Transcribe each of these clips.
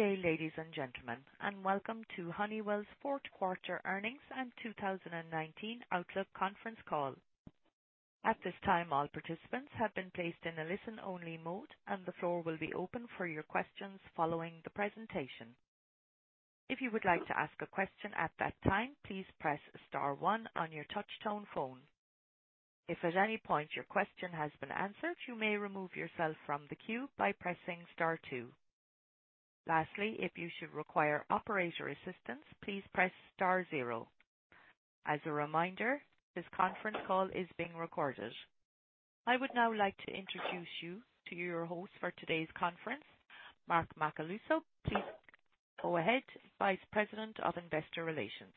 Good day, ladies and gentlemen, and welcome to Honeywell's fourth quarter earnings and 2019 Outlook conference call. At this time, all participants have been placed in a listen-only mode. The floor will be open for your questions following the presentation. If you would like to ask a question at that time, please press star one on your touch-tone phone. If at any point your question has been answered, you may remove yourself from the queue by pressing star two. Lastly, if you should require operator assistance, please press star zero. As a reminder, this conference call is being recorded. I would now like to introduce you to your host for today's conference, Mark Macaluso. Please go ahead, Vice President of Investor Relations.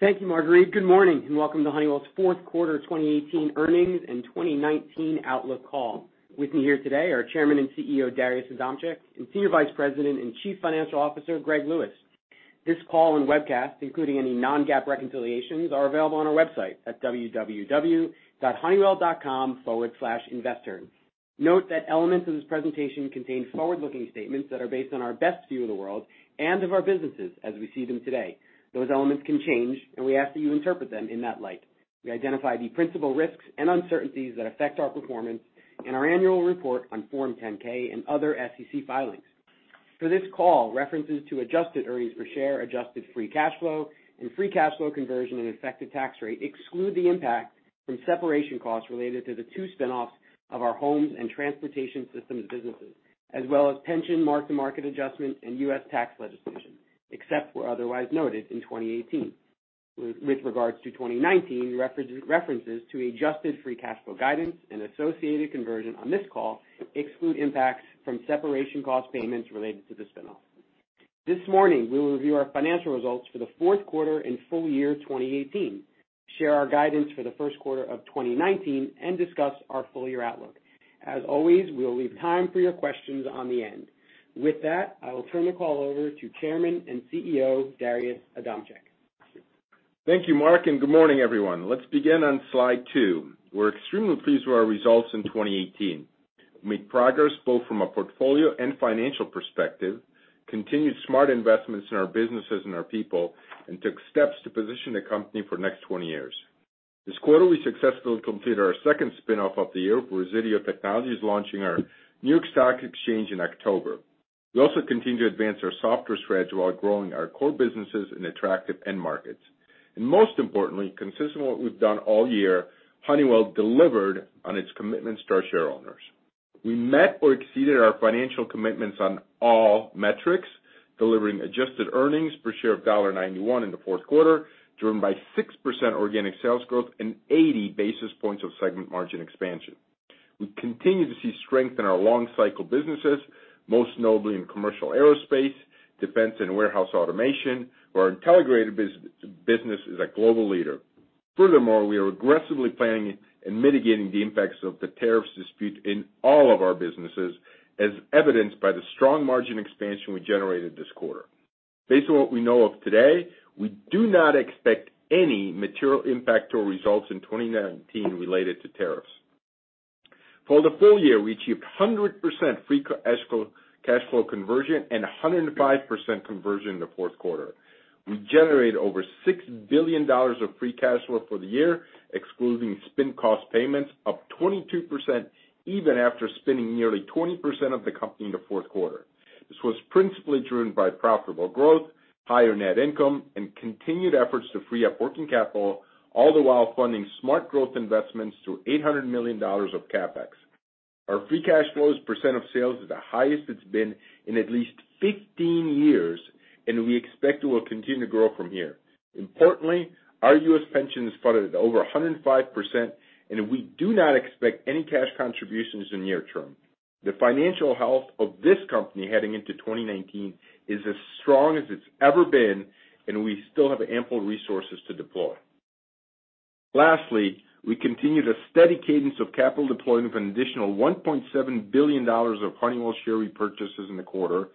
Thank you, Marguerite. Good morning. Welcome to Honeywell's fourth quarter 2018 earnings and 2019 outlook call. With me here today are Chairman and CEO, Darius Adamczyk, and Senior Vice President and Chief Financial Officer, Greg Lewis. This call and webcast, including any non-GAAP reconciliations, are available on our website at honeywell.com/investor. Note that elements of this presentation contain forward-looking statements that are based on our best view of the world and of our businesses as we see them today. Those elements can change. We ask that you interpret them in that light. We identify the principal risks and uncertainties that affect our performance in our annual report on Form 10-K and other SEC filings. For this call, references to adjusted earnings per share, adjusted free cash flow, and free cash flow conversion, and effective tax rate exclude the impact from separation costs related to the two spin-offs of our Homes and Transportation Systems businesses, as well as pension mark-to-market adjustment and U.S. tax legislation, except where otherwise noted in 2018. With regards to 2019, references to adjusted free cash flow guidance and associated conversion on this call exclude impacts from separation cost payments related to the spin-off. This morning, we will review our financial results for the fourth quarter and full year 2018, share our guidance for the first quarter of 2019. We will discuss our full-year outlook. As always, we'll leave time for your questions on the end. With that, I will turn the call over to Chairman and CEO, Darius Adamczyk. Thank you, Mark. Good morning, everyone. Let's begin on slide two. We're extremely pleased with our results in 2018. We made progress both from a portfolio and financial perspective, continued smart investments in our businesses and our people. We took steps to position the company for the next 20 years. This quarter, we successfully completed our second spin-off of the year, Resideo Technologies, launching our new stock exchange in October. We also continue to advance our software strategy while growing our core businesses in attractive end markets. Most importantly, consistent with what we've done all year, Honeywell delivered on its commitment to our shareowners. We met or exceeded our financial commitments on all metrics, delivering adjusted earnings per share of $1.91 in the fourth quarter, driven by 6% organic sales growth and 80 basis points of segment margin expansion. We continue to see strength in our long cycle businesses, most notably in commercial aerospace, defense, and warehouse automation, where our integrated business is a global leader. Furthermore, we are aggressively planning and mitigating the impacts of the tariffs dispute in all of our businesses, as evidenced by the strong margin expansion we generated this quarter. Based on what we know of today, we do not expect any material impact to our results in 2019 related to tariffs. For the full year, we achieved 100% free cash flow conversion and 105% conversion in the fourth quarter. We generated over $6 billion of free cash flow for the year, excluding spin cost payments up 22%, even after spending nearly 20% of the company in the fourth quarter. This was principally driven by profitable growth, higher net income, and continued efforts to free up working capital, all the while funding smart growth investments through $800 million of CapEx. Our free cash flow as a percent of sales is the highest it's been in at least 15 years. We expect it will continue to grow from here. Importantly, our U.S. pension is funded at over 105%. We do not expect any cash contributions in the near term. The financial health of this company heading into 2019 is as strong as it's ever been. We still have ample resources to deploy. Lastly, we continue the steady cadence of capital deployment of an additional $1.7 billion of Honeywell share repurchases in the quarter,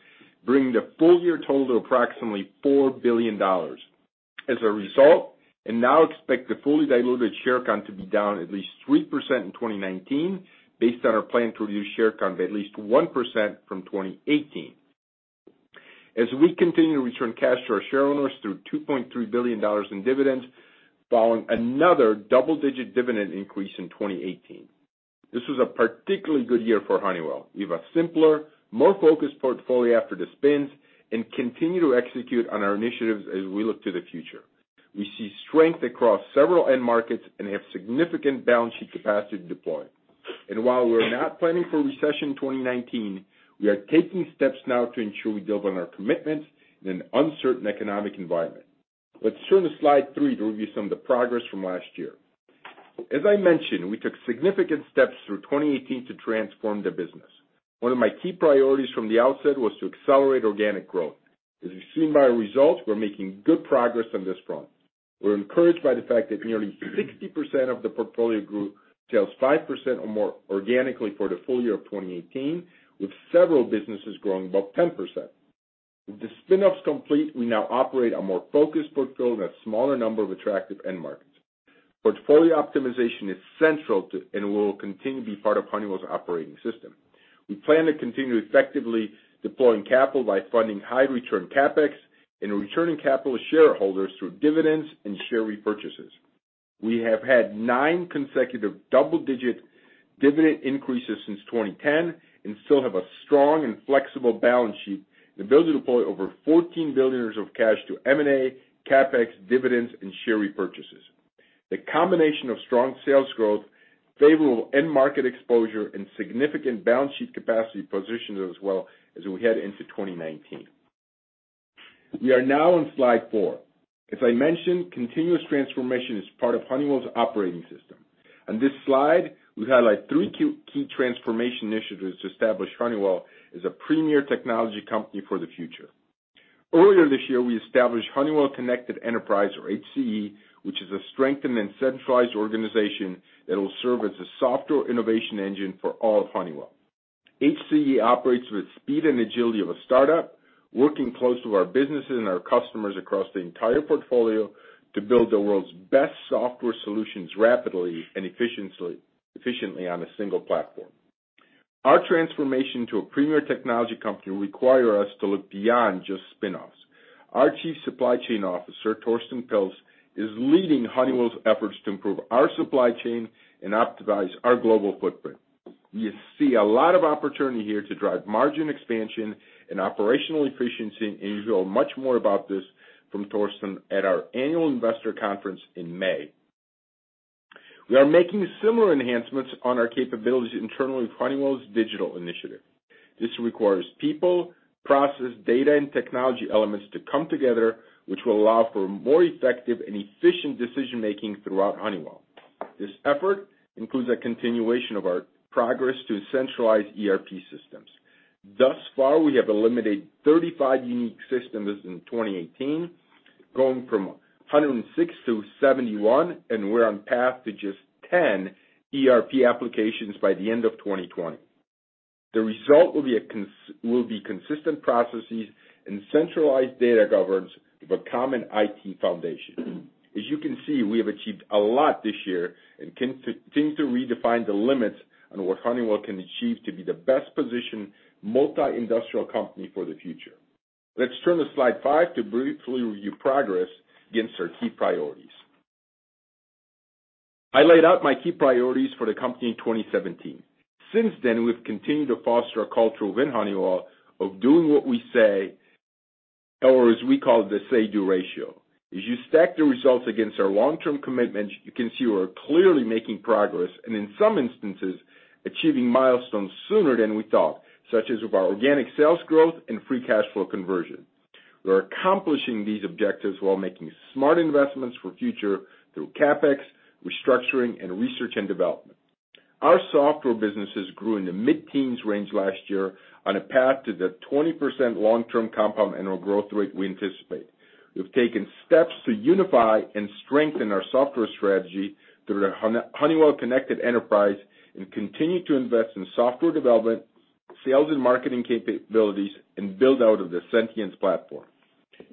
bringing the full year total to approximately $4 billion. As a result, we now expect the fully diluted share count to be down at least 3% in 2019, based on our plan to reduce share count at least 1% from 2018. As we continue to return cash to our shareowners through $2.3 billion in dividends, following another double-digit dividend increase in 2018. This was a particularly good year for Honeywell. We have a simpler, more focused portfolio after the spins and continue to execute on our initiatives as we look to the future. We see strength across several end markets and have significant balance sheet capacity to deploy. While we're not planning for a recession in 2019, we are taking steps now to ensure we deliver on our commitments in an uncertain economic environment. Let's turn to slide three to review some of the progress from last year. As I mentioned, we took significant steps through 2018 to transform the business. One of my key priorities from the outset was to accelerate organic growth. As you've seen by our results, we're making good progress on this front. We're encouraged by the fact that nearly 60% of the portfolio grew sales 5% or more organically for the full year of 2018, with several businesses growing above 10%. With the spin-offs complete, we now operate a more focused portfolio in a smaller number of attractive end markets. Portfolio optimization is central to and will continue to be part of Honeywell's operating system. We plan to continue effectively deploying capital by funding high return CapEx and returning capital to shareholders through dividends and share repurchases. We have had nine consecutive double-digit dividend increases since 2010 and still have a strong and flexible balance sheet, the ability to deploy over $14 billion of cash to M&A, CapEx, dividends, and share repurchases. The combination of strong sales growth, favorable end market exposure, and significant balance sheet capacity positions us well as we head into 2019. We are now on slide four. As I mentioned, continuous transformation is part of Honeywell's operating system. On this slide, we highlight three key transformation initiatives to establish Honeywell as a premier technology company for the future. Earlier this year, we established Honeywell Connected Enterprise, or HCE, which is a strengthened and centralized organization that will serve as a software innovation engine for all of Honeywell. HCE operates with speed and agility of a startup, working close to our businesses and our customers across the entire portfolio to build the world's best software solutions rapidly and efficiently on a single platform. Our transformation to a premier technology company will require us to look beyond just spin-offs. Our chief supply chain officer, Torsten Pilz, is leading Honeywell's efforts to improve our supply chain and optimize our global footprint. We see a lot of opportunity here to drive margin expansion and operational efficiency, and you'll hear much more about this from Torsten at our annual investor conference in May. We are making similar enhancements on our capabilities internally with Honeywell Digital initiative. This requires people, process, data, and technology elements to come together, which will allow for more effective and efficient decision-making throughout Honeywell. This effort includes a continuation of our progress to centralize ERP systems. Thus far, we have eliminated 35 unique systems in 2018, going from 106 to 71, and we're on path to just 10 ERP applications by the end of 2020. The result will be consistent processes and centralized data governance with a common IT foundation. As you can see, we have achieved a lot this year and continue to redefine the limits on what Honeywell can achieve to be the best-positioned multi-industrial company for the future. Let's turn to slide five to briefly review progress against our key priorities. I laid out my key priorities for the company in 2017. Since then, we've continued to foster a culture within Honeywell of doing what we say, or as we call it, the say-do ratio. As you stack the results against our long-term commitments, you can see we're clearly making progress and, in some instances, achieving milestones sooner than we thought, such as with our organic sales growth and free cash flow conversion. We're accomplishing these objectives while making smart investments for future through CapEx, restructuring, and research and development. Our software businesses grew in the mid-teens range last year on a path to the 20% long-term compound annual growth rate we anticipate. We've taken steps to unify and strengthen our software strategy through the Honeywell Connected Enterprise and continue to invest in software development, sales and marketing capabilities, and build out of the Sentience platform.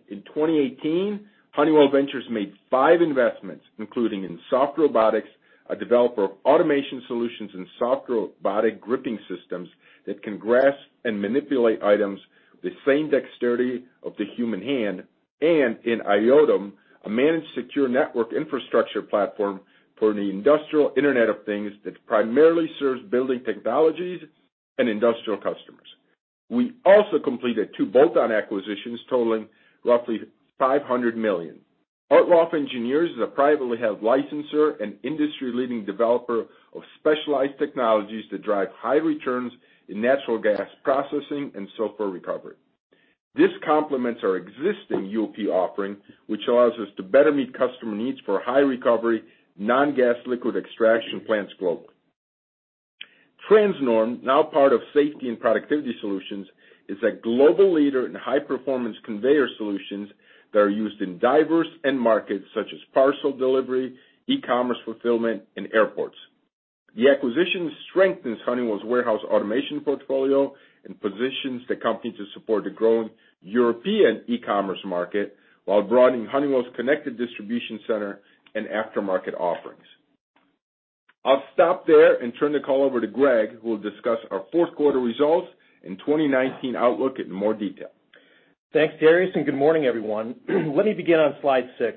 In 2018, Honeywell Ventures made five investments, including in Soft Robotics, a developer of automation solutions and soft robotic gripping systems that can grasp and manipulate items with the same dexterity of the human hand, and in IoTium, a managed secure network infrastructure platform for the industrial Internet of Things that primarily serves building technologies and industrial customers. We also completed two bolt-on acquisitions totaling roughly $500 million. Ortloff Engineers is a privately held licensor and industry-leading developer of specialized technologies that drive high returns in natural gas processing and sulfur recovery. This complements our existing UOP offering, which allows us to better meet customer needs for high recovery, natural gas liquid extraction plants globally. Transnorm, now part of Safety and Productivity Solutions, is a global leader in high-performance conveyor solutions that are used in diverse end markets such as parcel delivery, e-commerce fulfillment, and airports. The acquisition strengthens Honeywell's warehouse automation portfolio and positions the company to support the growing European e-commerce market while broadening Honeywell's connected distribution center and aftermarket offerings. I'll stop there and turn the call over to Greg, who will discuss our fourth quarter results and 2019 outlook in more detail. Thanks, Darius, and good morning, everyone. Let me begin on slide six.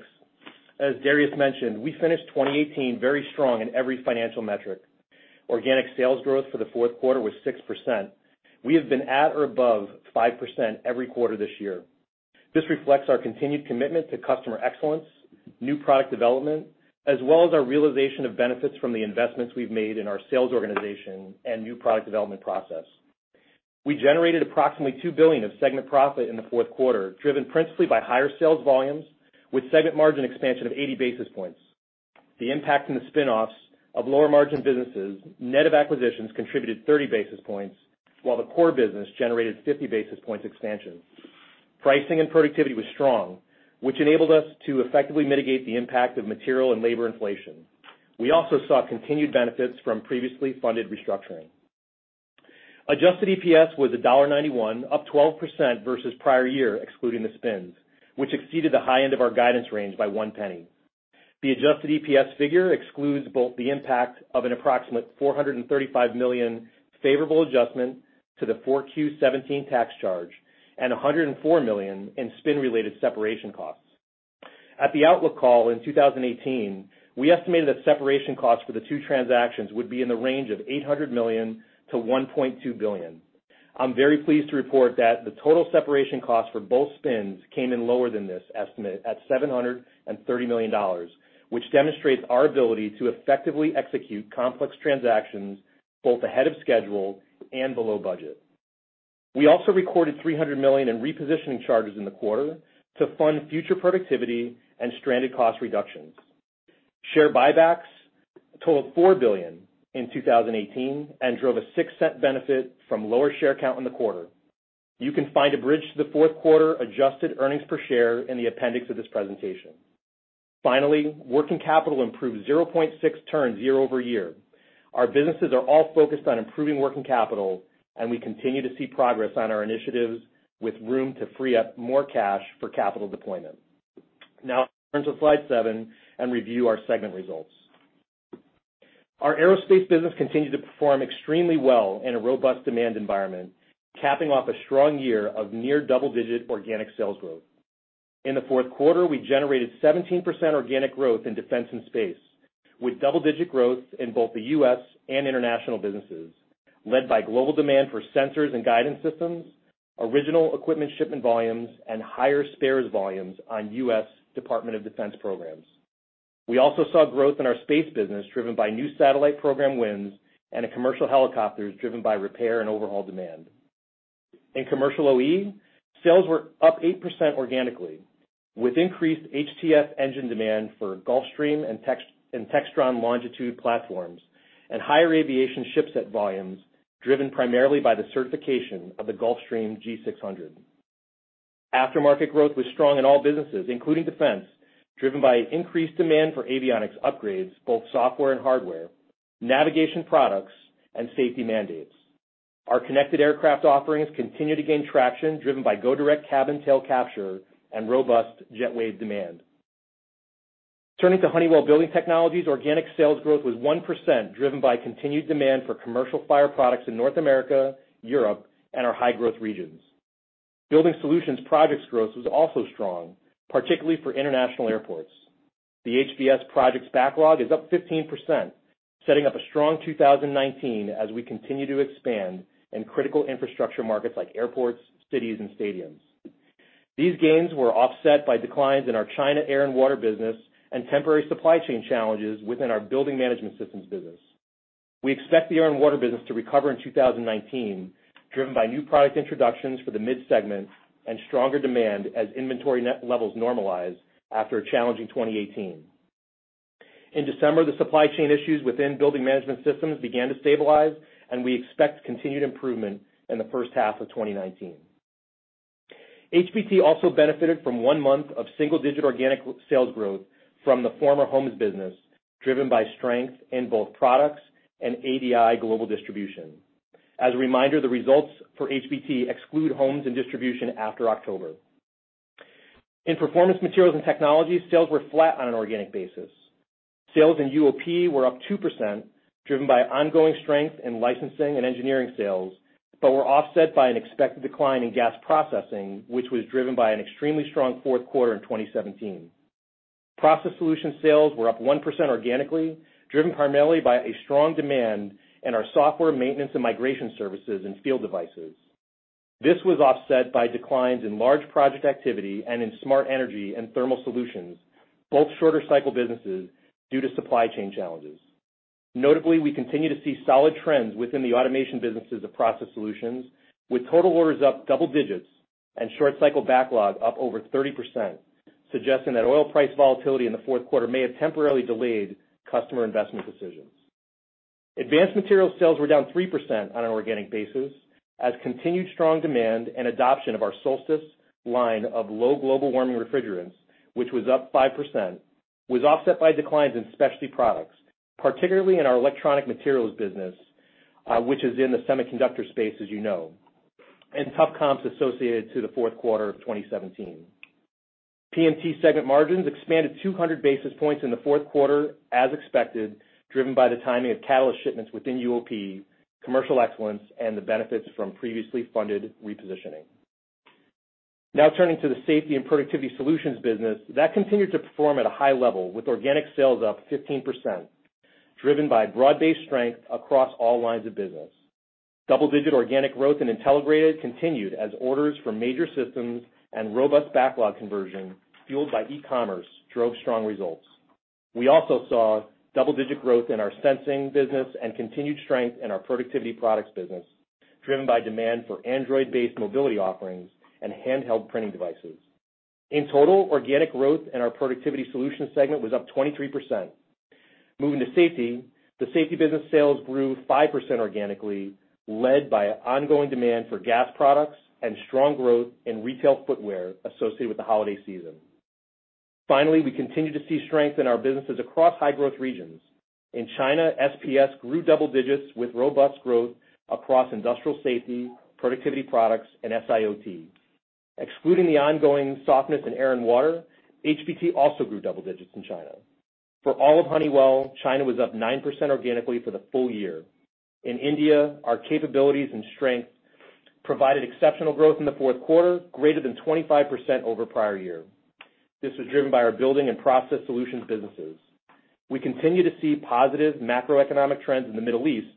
As Darius mentioned, we finished 2018 very strong in every financial metric. Organic sales growth for the fourth quarter was 6%. We have been at or above 5% every quarter this year. This reflects our continued commitment to customer excellence, new product development, as well as our realization of benefits from the investments we've made in our sales organization and new product development process. We generated approximately $2 billion of segment profit in the fourth quarter, driven principally by higher sales volumes with segment margin expansion of 80 basis points. The impact from the spin-offs of lower margin businesses, net of acquisitions, contributed 30 basis points, while the core business generated 50 basis points expansion. Pricing and productivity was strong, which enabled us to effectively mitigate the impact of material and labor inflation. We also saw continued benefits from previously funded restructuring. Adjusted EPS was $1.91, up 12% versus prior year, excluding the spins, which exceeded the high end of our guidance range by one penny. The adjusted EPS figure excludes both the impact of an approximate $435 million favorable adjustment to the 4Q 17 tax charge and $104 million in spin-related separation costs. At the outlook call in 2018, we estimated that separation costs for the two transactions would be in the range of $800 million-$1.2 billion. I'm very pleased to report that the total separation cost for both spins came in lower than this estimate at $730 million, which demonstrates our ability to effectively execute complex transactions both ahead of schedule and below budget. We also recorded $300 million in repositioning charges in the quarter to fund future productivity and stranded cost reductions. Share buybacks total $4 billion in 2018 and drove a $0.06 benefit from lower share count in the quarter. You can find a bridge to the fourth quarter adjusted earnings per share in the appendix of this presentation. Finally, working capital improved 0.6 turns year-over-year. Our businesses are all focused on improving working capital, and we continue to see progress on our initiatives with room to free up more cash for capital deployment. Now turn to slide seven and review our segment results. Our aerospace business continued to perform extremely well in a robust demand environment, capping off a strong year of near double-digit organic sales growth. In the fourth quarter, we generated 17% organic growth in defense and space, with double-digit growth in both the U.S. and international businesses, led by global demand for sensors and guidance systems, original equipment shipment volumes, and higher spares volumes on U.S. Department of Defense programs. We also saw growth in our space business, driven by new satellite program wins and commercial helicopters driven by repair and overhaul demand. In commercial OE, sales were up 8% organically, with increased HTF engine demand for Gulfstream and Textron Longitude platforms and higher aviation ship set volumes, driven primarily by the certification of the Gulfstream G600. Aftermarket growth was strong in all businesses, including defense, driven by increased demand for avionics upgrades, both software and hardware, navigation products, and safety mandates. Our connected aircraft offerings continue to gain traction driven by GoDirect Cabin tail capture and robust JetWave demand. Turning to Honeywell Building Technologies, organic sales growth was 1%, driven by continued demand for commercial fire products in North America, Europe, and our high-growth regions. Building solutions projects growth was also strong, particularly for international airports. The HBS projects backlog is up 15%, setting up a strong 2019 as we continue to expand in critical infrastructure markets like airports, cities, and stadiums. These gains were offset by declines in our China air and water business and temporary supply chain challenges within our building management systems business. We expect the air and water business to recover in 2019, driven by new product introductions for the mid-segment and stronger demand as inventory net levels normalize after a challenging 2018. In December, the supply chain issues within building management systems began to stabilize, and we expect continued improvement in the first half of 2019. HBT also benefited from one month of single-digit organic sales growth from the former Homes business, driven by strength in both products and ADI Global Distribution. As a reminder, the results for HBT exclude Homes and distribution after October. In Performance Materials and Technologies, sales were flat on an organic basis. Sales in UOP were up 2%, driven by ongoing strength in licensing and engineering sales, but were offset by an expected decline in gas processing, which was driven by an extremely strong fourth quarter in 2017. Process solutions sales were up 1% organically, driven primarily by a strong demand in our software maintenance and migration services and field devices. This was offset by declines in large project activity and in smart energy and thermal solutions, both shorter cycle businesses, due to supply chain challenges. Notably, we continue to see solid trends within the automation businesses of process solutions, with total orders up double digits and short cycle backlog up over 30%, suggesting that oil price volatility in the fourth quarter may have temporarily delayed customer investment decisions. Advanced materials sales were down 3% on an organic basis as continued strong demand and adoption of our Solstice line of low global warming refrigerants, which was up 5%, was offset by declines in specialty products, particularly in our electronic materials business, which is in the semiconductor space, as you know, and tough comps associated to the fourth quarter of 2017. PMT segment margins expanded 200 basis points in the fourth quarter as expected, driven by the timing of catalyst shipments within UOP, commercial excellence, and the benefits from previously funded repositioning. Turning to the Safety and Productivity Solutions business, that continued to perform at a high level with organic sales up 15%, driven by broad-based strength across all lines of business. Double-digit organic growth in Intelligrated continued as orders for major systems and robust backlog conversion fueled by e-commerce drove strong results. We also saw double-digit growth in our sensing business and continued strength in our productivity products business, driven by demand for Android-based mobility offerings and handheld printing devices. In total, organic growth in our productivity solution segment was up 23%. Moving to safety, the safety business sales grew 5% organically, led by ongoing demand for gas products and strong growth in retail footwear associated with the holiday season. We continue to see strength in our businesses across high growth regions. In China, SPS grew double digits with robust growth across industrial safety, productivity products and S&IoT. Excluding the ongoing softness in air and water, HBT also grew double digits in China. For all of Honeywell, China was up 9% organically for the full year. In India, our capabilities and strength provided exceptional growth in the fourth quarter, greater than 25% over prior year. This was driven by our building and process solutions businesses. We continue to see positive macroeconomic trends in the Middle East,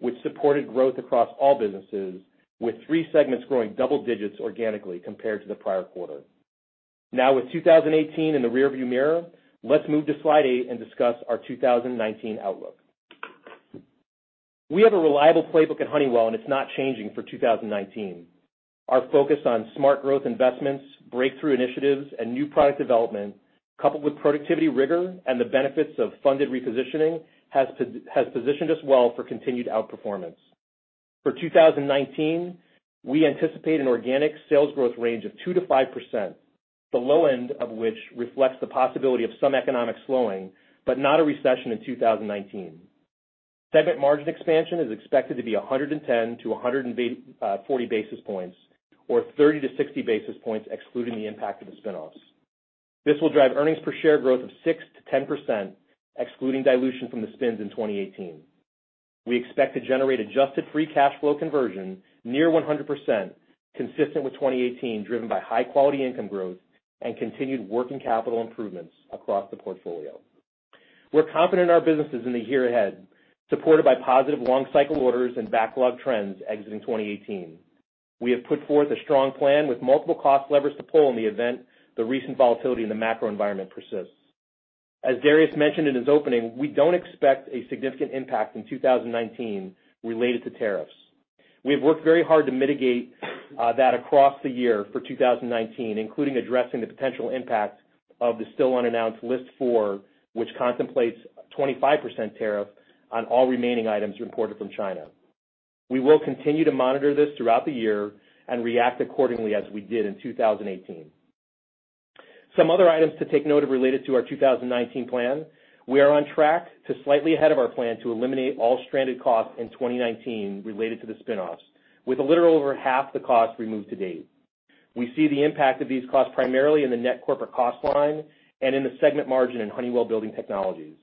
which supported growth across all businesses, with three segments growing double digits organically compared to the prior quarter. With 2018 in the rear view mirror, let's move to slide eight and discuss our 2019 outlook. We have a reliable playbook at Honeywell, and it's not changing for 2019. Our focus on smart growth investments, breakthrough initiatives, and new product development, coupled with productivity rigor and the benefits of funded repositioning, has positioned us well for continued outperformance. For 2019, we anticipate an organic sales growth range of 2%-5%, the low end of which reflects the possibility of some economic slowing, but not a recession in 2019. Segment margin expansion is expected to be 110-140 basis points, or 30-60 basis points excluding the impact of the spin-offs. This will drive earnings per share growth of 6%-10%, excluding dilution from the spins in 2018. We expect to generate adjusted free cash flow conversion near 100%, consistent with 2018, driven by high quality income growth and continued working capital improvements across the portfolio. We're confident in our businesses in the year ahead, supported by positive long cycle orders and backlog trends exiting 2018. We have put forth a strong plan with multiple cost levers to pull in the event the recent volatility in the macro environment persists. As Darius mentioned in his opening, we don't expect a significant impact in 2019 related to tariffs. We have worked very hard to mitigate that across the year for 2019, including addressing the potential impact of the still unannounced List four, which contemplates a 25% tariff on all remaining items imported from China. We will continue to monitor this throughout the year and react accordingly as we did in 2018. Some other items to take note of related to our 2019 plan. We are on track to slightly ahead of our plan to eliminate all stranded costs in 2019 related to the spin-offs, with a little over half the cost removed to date. We see the impact of these costs primarily in the net corporate cost line and in the segment margin in Honeywell Building Technologies.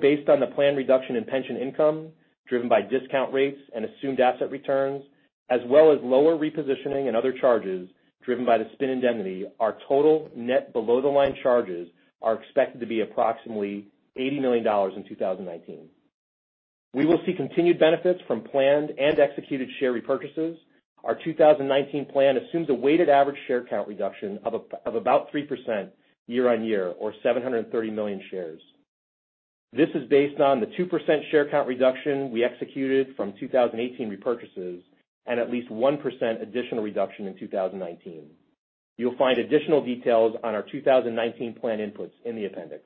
Based on the planned reduction in pension income, driven by discount rates and assumed asset returns, as well as lower repositioning and other charges driven by the spin indemnity, our total net below the line charges are expected to be approximately $80 million in 2019. We will see continued benefits from planned and executed share repurchases. Our 2019 plan assumes a weighted average share count reduction of about 3% year-on-year or 730 million shares. This is based on the 2% share count reduction we executed from 2018 repurchases and at least 1% additional reduction in 2019. You'll find additional details on our 2019 plan inputs in the appendix.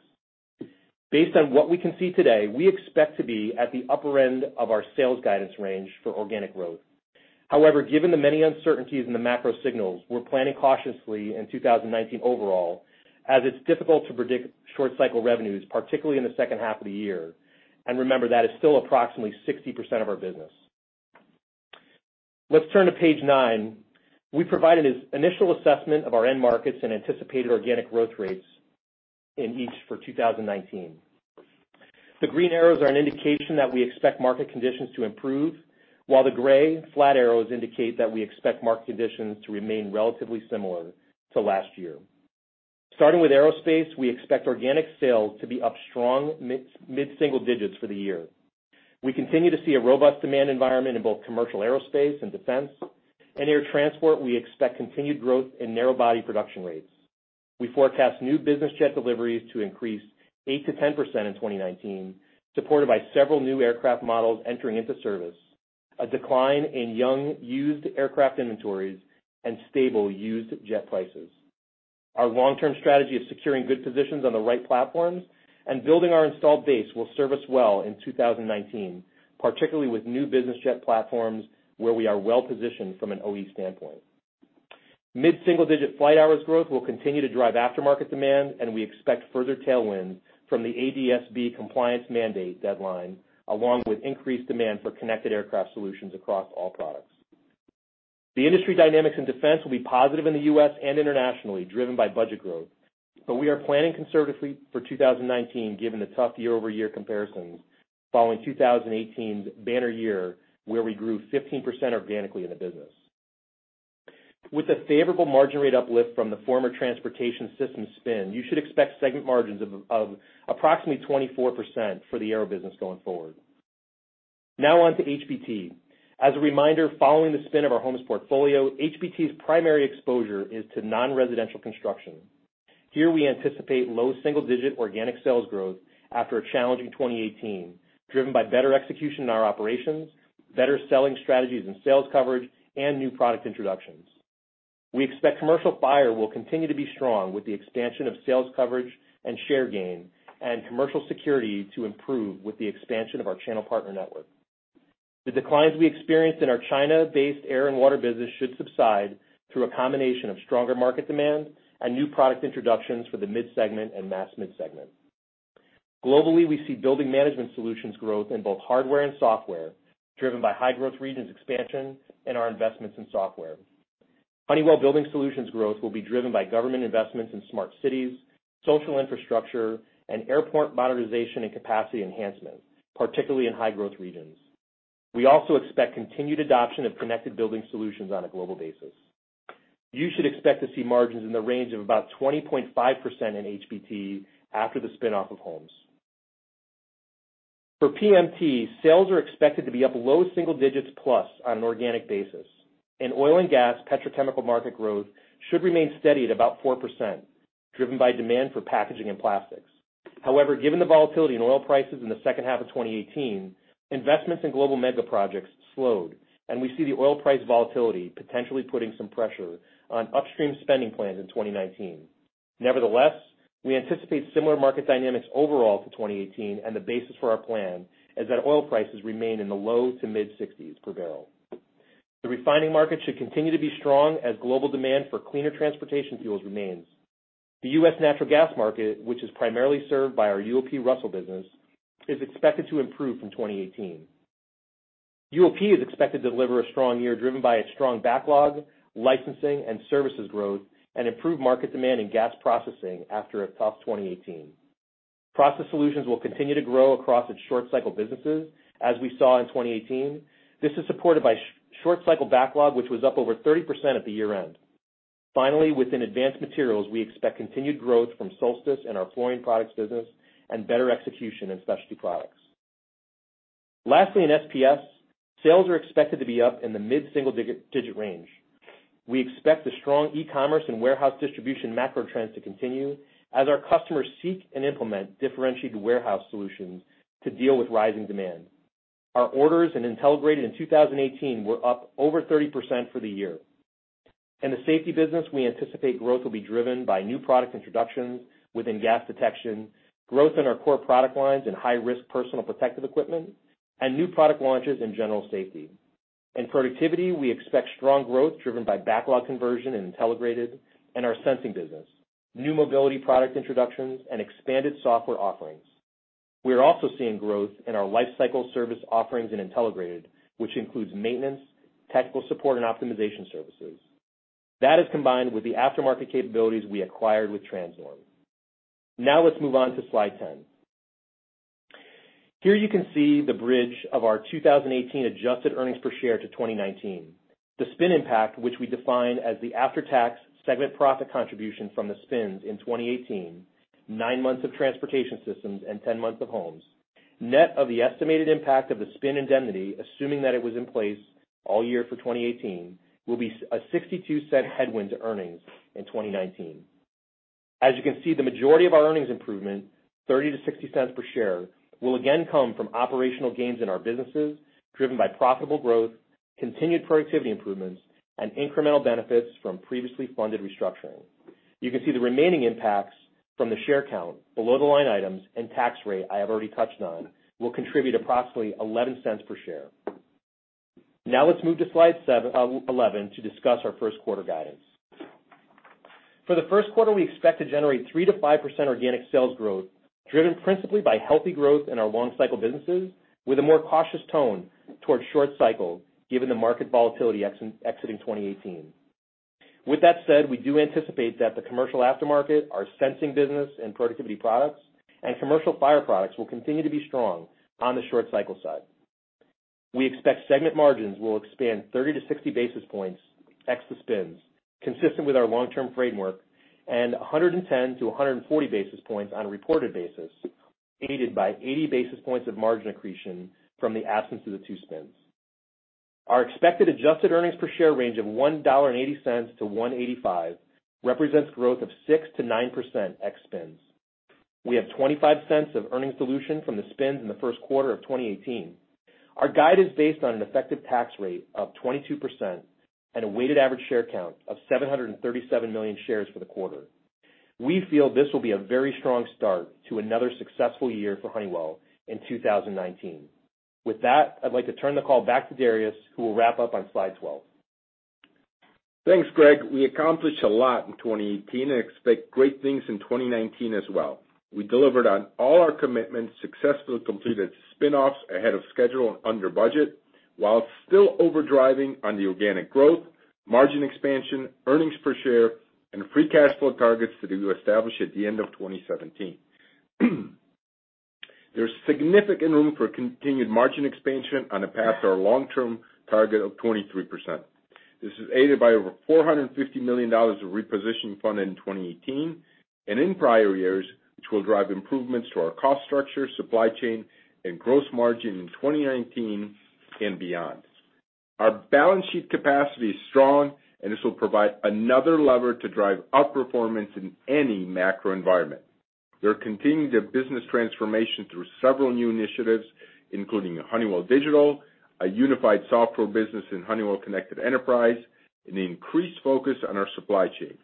Based on what we can see today, we expect to be at the upper end of our sales guidance range for organic growth. Given the many uncertainties in the macro signals, we're planning cautiously in 2019 overall as it's difficult to predict short cycle revenues, particularly in the second half of the year. Remember, that is still approximately 60% of our business. Let's turn to page nine. We provide an initial assessment of our end markets and anticipated organic growth rates in each for 2019. The green arrows are an indication that we expect market conditions to improve, while the gray flat arrows indicate that we expect market conditions to remain relatively similar to last year. Starting with Aerospace, we expect organic sales to be up strong mid-single digits for the year. We continue to see a robust demand environment in both commercial Aerospace and defense. In air transport, we expect continued growth in narrow body production rates. We forecast new business jet deliveries to increase 8%-10% in 2019, supported by several new aircraft models entering into service, a decline in young used aircraft inventories, and stable used jet prices. Our long-term strategy of securing good positions on the right platforms and building our installed base will serve us well in 2019, particularly with new business jet platforms where we are well positioned from an OE standpoint. Mid-single digit flight hours growth will continue to drive aftermarket demand, and we expect further tailwinds from the ADS-B compliance mandate deadline, along with increased demand for connected aircraft solutions across all products. The industry dynamics in defense will be positive in the U.S. and internationally, driven by budget growth. We are planning conservatively for 2019 given the tough year-over-year comparisons following 2018's banner year where we grew 15% organically in the business. With a favorable margin rate uplift from the former Transportation Systems spin, you should expect segment margins of approximately 24% for the Aero business going forward. Now on to HBT. As a reminder, following the spin of our Homes portfolio, HBT's primary exposure is to non-residential construction. Here we anticipate low single-digit organic sales growth after a challenging 2018, driven by better execution in our operations, better selling strategies and sales coverage, and new product introductions. We expect commercial fire will continue to be strong with the expansion of sales coverage and share gain and commercial security to improve with the expansion of our channel partner network. The declines we experienced in our China-based air and water business should subside through a combination of stronger market demand and new product introductions for the mid-segment and mass mid-segment. Globally, we see building management solutions growth in both hardware and software, driven by high-growth regions expansion and our investments in software. Honeywell Building Solutions growth will be driven by government investments in smart cities, social infrastructure, and airport modernization and capacity enhancement, particularly in high-growth regions. We also expect continued adoption of connected building solutions on a global basis. You should expect to see margins in the range of about 20.5% in HBT after the spin-off of Homes. For PMT, sales are expected to be up low single-digits plus on an organic basis. In oil and gas, petrochemical market growth should remain steady at about 4%, driven by demand for packaging and plastics. Given the volatility in oil prices in the second half of 2018, investments in global mega projects slowed. We see the oil price volatility potentially putting some pressure on upstream spending plans in 2019. We anticipate similar market dynamics overall to 2018 and the basis for our plan as that oil prices remain in the low to mid-60s per barrel. The refining market should continue to be strong as global demand for cleaner transportation fuels remains. The U.S. natural gas market, which is primarily served by our UOP Russell business, is expected to improve from 2018. UOP is expected to deliver a strong year driven by its strong backlog, licensing, and services growth and improve market demand in gas processing after a tough 2018. Process solutions will continue to grow across its short-cycle businesses as we saw in 2018. This is supported by short-cycle backlog, which was up over 30% at the year-end. Within advanced materials, we expect continued growth from Solstice and our fluorine products business and better execution in specialty products. In SPS, sales are expected to be up in the mid-single-digit range. We expect the strong e-commerce and warehouse distribution macro trends to continue as our customers seek and implement differentiated warehouse solutions to deal with rising demand. Our orders in Intelligrated in 2018 were up over 30% for the year. In the safety business, we anticipate growth will be driven by new product introductions within gas detection, growth in our core product lines in high-risk personal protective equipment, and new product launches in general safety. In productivity, we expect strong growth driven by backlog conversion in Intelligrated and our sensing business, new mobility product introductions, and expanded software offerings. We are also seeing growth in our lifecycle service offerings in Intelligrated, which includes maintenance, technical support, and optimization services. That is combined with the aftermarket capabilities we acquired with Transnorm. Now let's move on to slide 10. Here you can see the bridge of our 2018 adjusted earnings per share to 2019. The spin impact, which we define as the after-tax segment profit contribution from the spins in 2018, nine months of Transportation Systems and 10 months of Homes, net of the estimated impact of the spin indemnity, assuming that it was in place all year for 2018, will be a $0.62 headwind to earnings in 2019. As you can see, the majority of our earnings improvement, $0.30-$0.60 per share, will again come from operational gains in our businesses, driven by profitable growth, continued productivity improvements, and incremental benefits from previously funded restructuring. You can see the remaining impacts from the share count, below-the-line items, and tax rate I have already touched on will contribute approximately $0.11 per share. Now let's move to slide 11 to discuss our first quarter guidance. For the first quarter, we expect to generate 3%-5% organic sales growth, driven principally by healthy growth in our long cycle businesses with a more cautious tone towards short cycle, given the market volatility exiting 2018. With that said, we do anticipate that the commercial aftermarket, our sensing business and productivity products, and commercial fire products will continue to be strong on the short cycle side. We expect segment margins will expand 30 to 60 basis points ex the spins, consistent with our long-term framework, and 110-140 basis points on a reported basis, aided by 80 basis points of margin accretion from the absence of the two spins. Our expected adjusted earnings per share range of $1.80- $1.85 represents growth of 6%-9% ex spins. We have $0.25 of earning solution from the spins in the first quarter of 2018. Our guide is based on an effective tax rate of 22% and a weighted average share count of 737 million shares for the quarter. We feel this will be a very strong start to another successful year for Honeywell in 2019. With that, I'd like to turn the call back to Darius, who will wrap up on slide 12. Thanks, Greg. We accomplished a lot in 2018 and expect great things in 2019 as well. We delivered on all our commitments, successfully completed spin-offs ahead of schedule and under budget, while still overdriving on the organic growth, margin expansion, earnings per share, and free cash flow targets that we established at the end of 2017. There's significant room for continued margin expansion on a path to our long-term target of 23%. This is aided by over $450 million of repositioning funded in 2018 and in prior years, which will drive improvements to our cost structure, supply chain, and gross margin in 2019 and beyond. Our balance sheet capacity is strong, and this will provide another lever to drive outperformance in any macro environment. We're continuing the business transformation through several new initiatives, including Honeywell Digital, a unified software business in Honeywell Connected Enterprise, and an increased focus on our supply chain.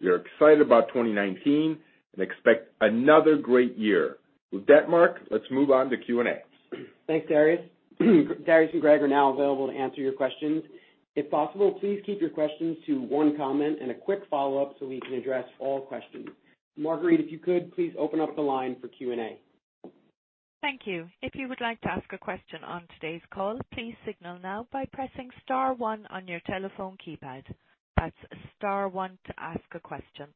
We are excited about 2019 and expect another great year. With that, Mark, let's move on to Q&A. Thanks, Darius. Darius and Greg are now available to answer your questions. If possible, please keep your questions to one comment and a quick follow-up so we can address all questions. Marguerite, if you could, please open up the line for Q&A. Thank you. If you would like to ask a question on today's call, please signal now by pressing star one on your telephone keypad. That's star one to ask a question.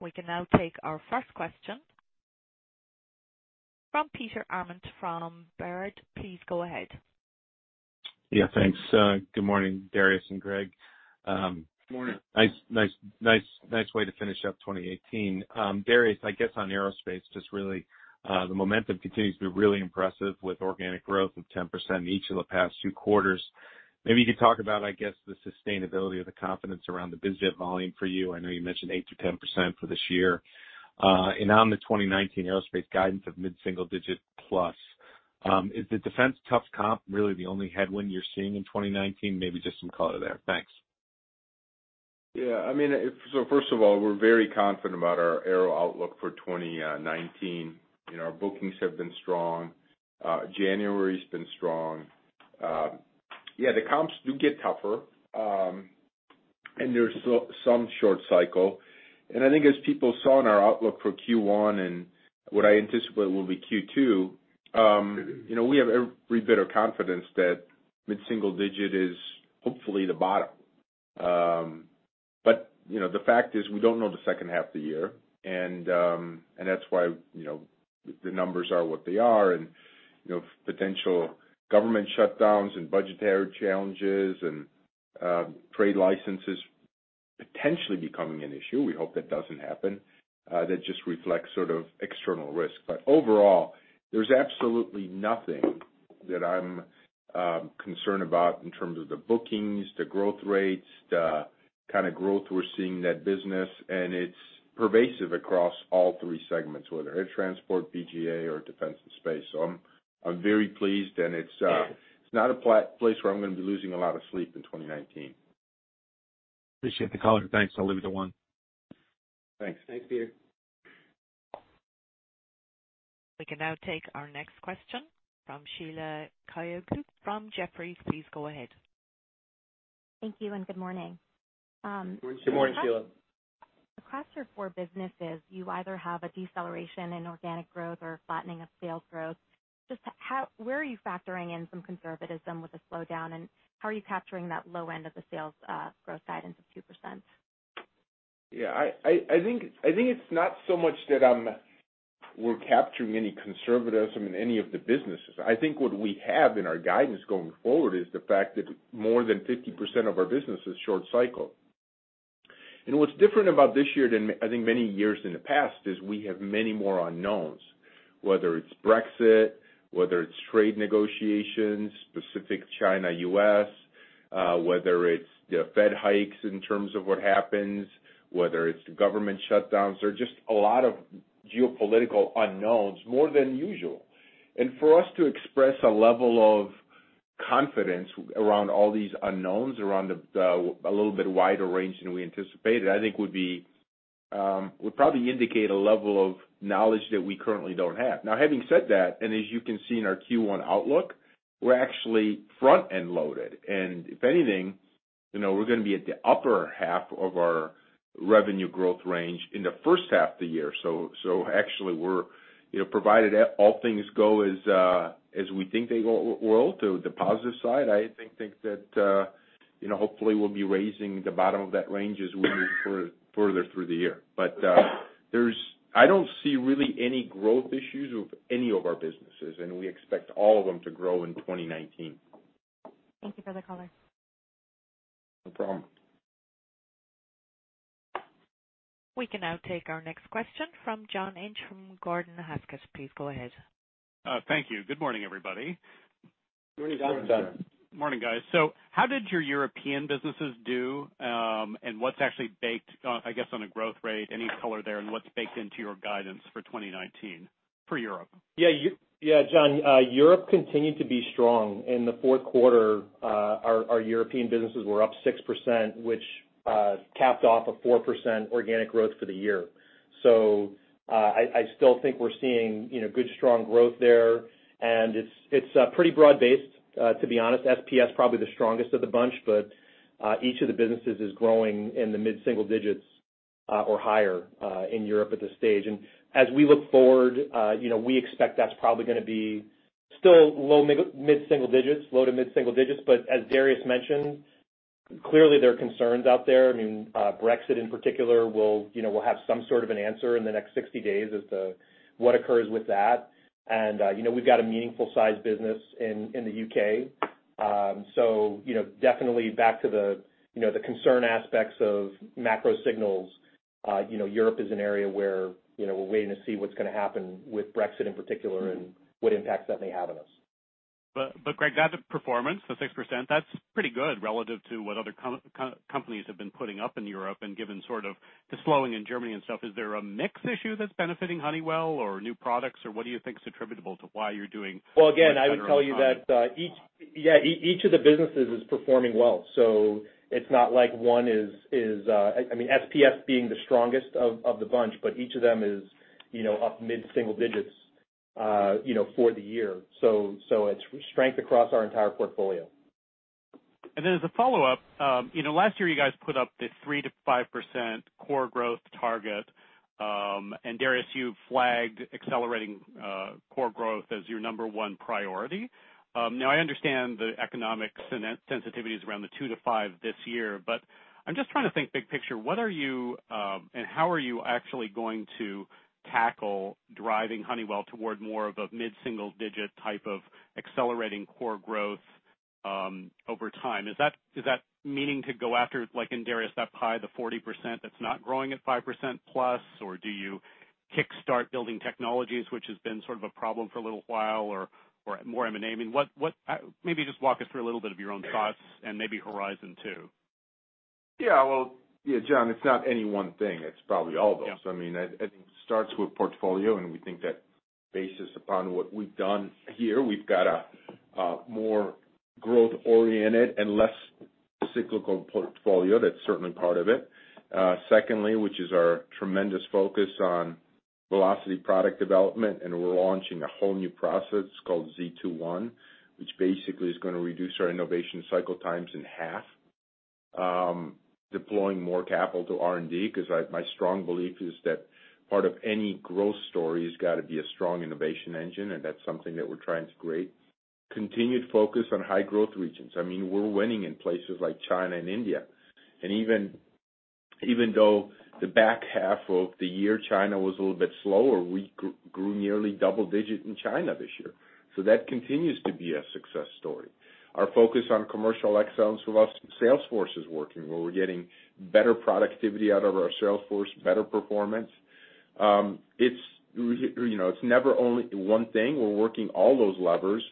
We can now take our first question from Peter Arment from Baird. Please go ahead. Yeah, thanks. Good morning, Darius and Greg. Morning. Nice way to finish up 2018. Darius, I guess on aerospace, just really the momentum continues to be really impressive with organic growth of 10% in each of the past two quarters. Maybe you could talk about, I guess, the sustainability or the confidence around the biz jet volume for you. I know you mentioned 8%-10% for this year. On the 2019 aerospace guidance of mid-single digit plus, is the defense tough comp really the only headwind you're seeing in 2019? Maybe just some color there. Thanks. Yeah. First of all, we're very confident about our Aero outlook for 2019. Our bookings have been strong. January's been strong. Yeah, the comps do get tougher, and there's some short cycle. I think as people saw in our outlook for Q1 and what I anticipate will be Q2, we have every bit of confidence that mid-single digit is hopefully the bottom. The fact is, we don't know the second half of the year, and that's why the numbers are what they are. Potential government shutdowns and budgetary challenges and trade licenses potentially becoming an issue, we hope that doesn't happen. That just reflects sort of external risk. Overall, there's absolutely nothing that I'm concerned about in terms of the bookings, the growth rates, the kind of growth we're seeing in that business, and it's pervasive across all three segments, whether air transport, BGA, or defense and space. I'm very pleased, and it's not a place where I'm going to be losing a lot of sleep in 2019. Appreciate the color. Thanks. I'll leave it at one. Thanks. Thanks, Peter. We can now take our next question from Sheila Kahyaoglu from Jefferies. Thank you and good morning Morning. Across your four businesses, you either have a deceleration in organic growth or flattening of sales growth. Just where are you factoring in some conservatism with a slowdown, and how are you capturing that low end of the sales growth guidance of 2%? Yeah, I think it's not so much that we're capturing any conservatism in any of the businesses. I think what we have in our guidance going forward is the fact that more than 50% of our business is short cycle. What's different about this year than, I think, many years in the past is we have many more unknowns, whether it's Brexit, whether it's trade negotiations, specific China/U.S., whether it's the Fed hikes in terms of what happens, whether it's government shutdowns. There are just a lot of geopolitical unknowns, more than usual. For us to express a level of confidence around all these unknowns, around a little bit wider range than we anticipated, I think would probably indicate a level of knowledge that we currently don't have. Now, having said that, as you can see in our Q1 outlook, we're actually front-end loaded. If anything, we're going to be at the upper half of our revenue growth range in the first half of the year. Actually, provided all things go as we think they will to the positive side, I think that hopefully, we'll be raising the bottom of that range as we move further through the year. I don't see really any growth issues with any of our businesses, and we expect all of them to grow in 2019. Thank you for the color. No problem. We can now take our next question from John Inch from Gordon Haskett. Please go ahead. Thank you. Good morning, everybody. Morning, John. Morning, John. Morning, guys. How did your European businesses do? What's actually baked, I guess, on a growth rate, any color there, and what's baked into your guidance for 2019 for Europe? Yeah, John. Europe continued to be strong. In the fourth quarter, our European businesses were up 6%, which capped off a 4% organic growth for the year. I still think we're seeing good, strong growth there, and it's pretty broad-based, to be honest. SPS, probably the strongest of the bunch, but each of the businesses is growing in the mid-single digits or higher in Europe at this stage. As we look forward, we expect that's probably going to be still mid-single digits, low-to-mid single digits. As Darius mentioned, clearly, there are concerns out there. Brexit in particular will have some sort of an answer in the next 60 days as to what occurs with that. We've got a meaningful size business in the U.K. Definitely back to the concern aspects of macro signals. Europe is an area where we're waiting to see what's going to happen with Brexit in particular and what impacts that may have on us. Greg, that performance, the 6%, that's pretty good relative to what other companies have been putting up in Europe and given sort of the slowing in Germany and stuff. Is there a mix issue that's benefiting Honeywell or new products, or what do you think is attributable to why you're doing much better than. Well, again, I would tell you that each of the businesses is performing well. It's not like one is SPS being the strongest of the bunch, but each of them is up mid-single digits For the year. It's strength across our entire portfolio. As a follow-up, last year you guys put up this 3%-5% core growth target, and Darius, you flagged accelerating core growth as your number one priority. Now, I understand the economics and sensitivities around the 2%-5% this year, but I'm just trying to think big picture. What are you, and how are you actually going to tackle driving Honeywell toward more of a mid-single digit type of accelerating core growth over time? Is that meaning to go after, like in Darius, that pie, the 40% that's not growing at 5%+? Do you kickstart Building Technologies, which has been sort of a problem for a little while, or more M&A mean? Maybe just walk us through a little bit of your own thoughts and maybe horizon two. Yeah. Well, John, it's not any one thing. It's probably all those. Yeah. It starts with portfolio, and we think that based upon what we've done here, we've got a more growth-oriented and less cyclical portfolio. That's certainly part of it. Secondly, which is our tremendous focus on velocity product development, and we're launching a whole new process called Z21, which basically is going to reduce our innovation cycle times in half. Deploying more capital to R&D, because my strong belief is that part of any growth story has got to be a strong innovation engine, and that's something that we're trying to create. Continued focus on high growth regions. We're winning in places like China and India. Even though the back half of the year, China was a little bit slower, we grew nearly double-digit in China this year. That continues to be a success story. Our focus on commercial excellence with our salesforce is working, where we're getting better productivity out of our salesforce, better performance. It's never only one thing. We're working all those levers,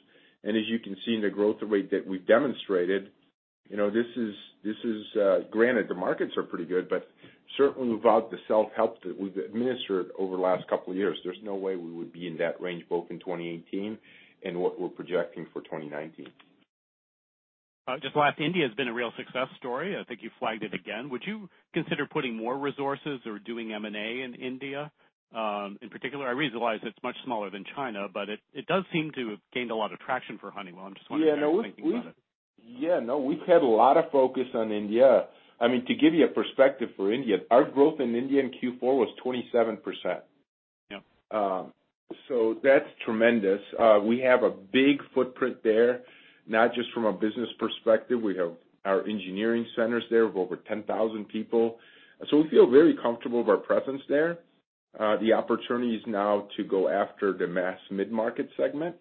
and as you can see in the growth rate that we've demonstrated, granted, the markets are pretty good, but certainly without the self-help that we've administered over the last couple of years, there's no way we would be in that range both in 2018 and what we're projecting for 2019. Just last, India has been a real success story. I think you flagged it again. Would you consider putting more resources or doing M&A in India in particular? I realize it's much smaller than China, but it does seem to have gained a lot of traction for Honeywell. I'm just wondering how you're thinking about it. Yeah, no, we've had a lot of focus on India. To give you a perspective for India, our growth in India in Q4 was 27%. Yeah. That's tremendous. We have a big footprint there, not just from a business perspective. We have our engineering centers there of over 10,000 people. We feel very comfortable with our presence there. The opportunity is now to go after the mass mid-market segment,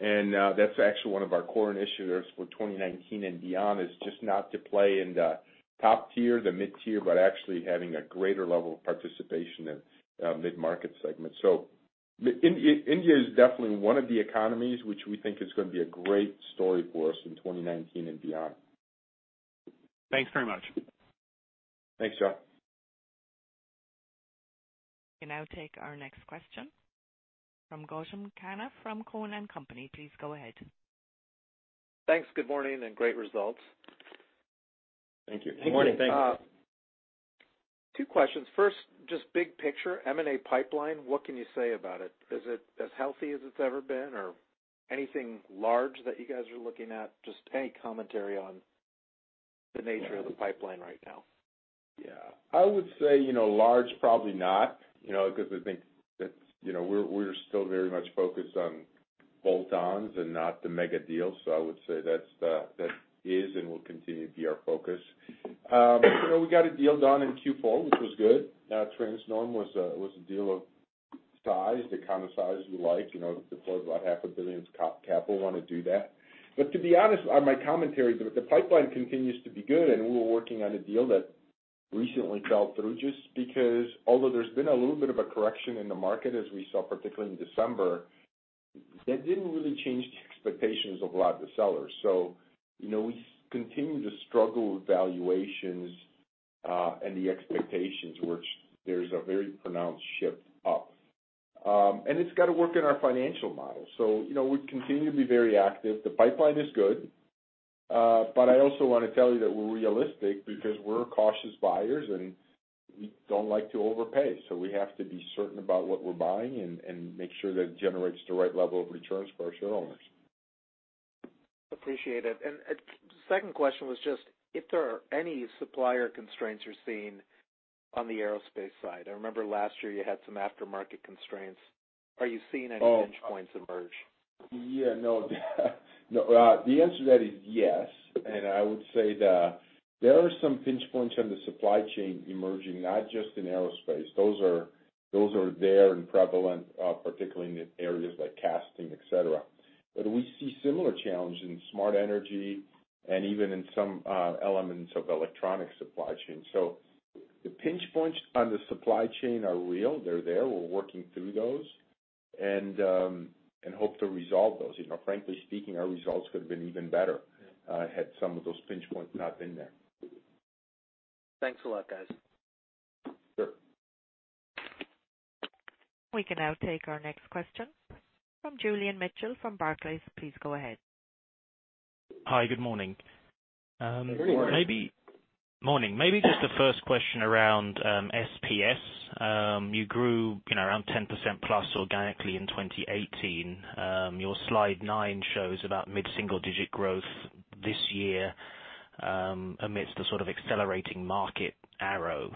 and that's actually one of our core initiatives for 2019 and beyond, is just not to play in the top tier, the mid-tier, but actually having a greater level of participation in mid-market segments. India is definitely one of the economies which we think is going to be a great story for us in 2019 and beyond. Thanks very much. Thanks, John. We now take our next question from Gautam Khanna from Cowen and Company. Please go ahead. Thanks. Good morning and great results. Thank you. Good morning. Thanks. Two questions. First, just big picture, M&A pipeline, what can you say about it? Is it as healthy as it's ever been, or anything large that you guys are looking at? Just any commentary on the nature of the pipeline right now. Yeah. I would say large, probably not, because I think that we're still very much focused on bolt-ons and not the mega deals. I would say that is and will continue to be our focus. We got a deal done in Q4, which was good. Transnorm was a deal of size, the kind of size we like. Deployed about half a billion capital on to do that. To be honest, on my commentary, the pipeline continues to be good and we were working on a deal that recently fell through just because although there's been a little bit of a correction in the market as we saw, particularly in December, that didn't really change the expectations of a lot of the sellers. We continue to struggle with valuations, and the expectations, which there's a very pronounced shift up. It's got to work in our financial model. We continue to be very active. The pipeline is good. I also want to tell you that we're realistic because we're cautious buyers and we don't like to overpay. We have to be certain about what we're buying and make sure that it generates the right level of returns for our shareholders. Appreciate it. The second question was just if there are any supplier constraints you're seeing on the aerospace side. I remember last year you had some aftermarket constraints. Are you seeing any pinch points emerge? Yeah. The answer to that is yes. I would say that there are some pinch points on the supply chain emerging, not just in aerospace. Those are there and prevalent, particularly in areas like casting, et cetera. We see similar challenges in smart energy and even in some elements of electronic supply chain. The pinch points on the supply chain are real. They're there. We're working through those and hope to resolve those. Frankly speaking, our results could have been even better had some of those pinch points not been there. Thanks a lot, guys. Sure. We can now take our next question from Julian Mitchell from Barclays. Please go ahead. Hi, good morning. Good morning. Morning. Maybe just the first question around SPS. You grew around 10% plus organically in 2018. Your slide nine shows about mid-single digit growth this year amidst the sort of accelerating market arrow.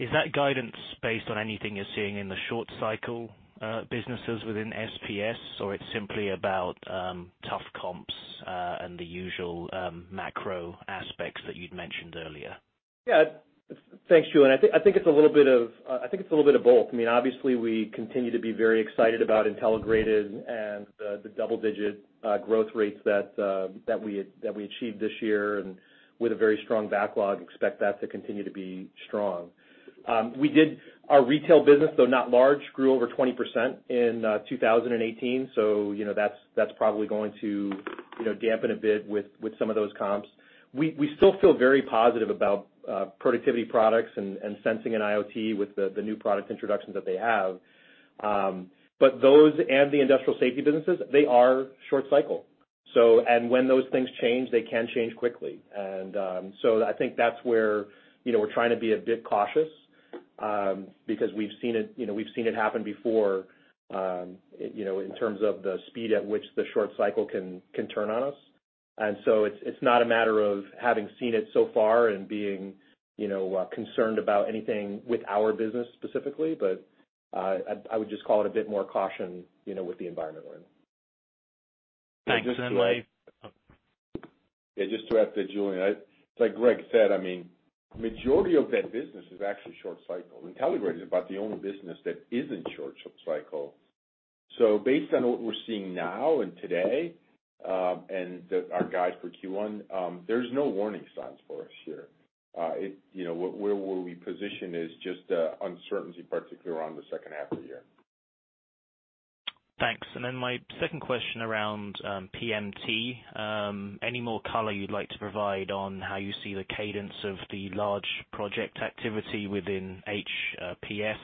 Is that guidance based on anything you're seeing in the short cycle businesses within SPS, or it's simply about tough comps, and the usual macro aspects that you'd mentioned earlier? Yeah. Thanks, Julian. I think it's a little bit of both. Obviously, we continue to be very excited about Intelligrated and the double-digit growth rates that we achieved this year, and with a very strong backlog, expect that to continue to be strong. Our retail business, though not large, grew over 20% in 2018, so that's probably going to dampen a bit with some of those comps. We still feel very positive about productivity products and Sensing & IoT with the new product introductions that they have. Those and the industrial safety businesses, they are short cycle. When those things change, they can change quickly. I think that's where we're trying to be a bit cautious, because we've seen it happen before, in terms of the speed at which the short cycle can turn on us. It's not a matter of having seen it so far and being concerned about anything with our business specifically, but I would just call it a bit more caution, with the environment we're in. Thanks. Yeah, just to add to Julian. It's like Greg said, majority of that business is actually short cycle. Intelligrated is about the only business that isn't short cycle. Based on what we're seeing now and today, and our guide for Q1, there's no warning signs for us here. Where we're positioned is just uncertainty, particularly around the second half of the year. Thanks. My second question around PMT. Any more color you'd like to provide on how you see the cadence of the large project activity within HPS,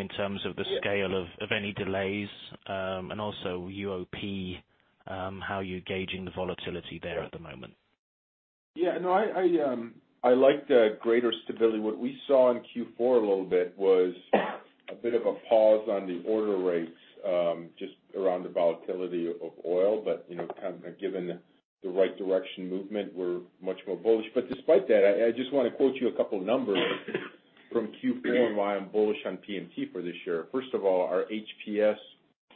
in terms of the scale of any delays, and also UOP, how you're gauging the volatility there at the moment? Yeah. No, I like the greater stability. What we saw in Q4 a little bit was a bit of a pause on the order rates, just around the volatility of oil. Kind of given the right direction movement, we're much more bullish. Despite that, I just want to quote you a couple numbers from Q4 and why I'm bullish on PMT for this year. First of all, our HPS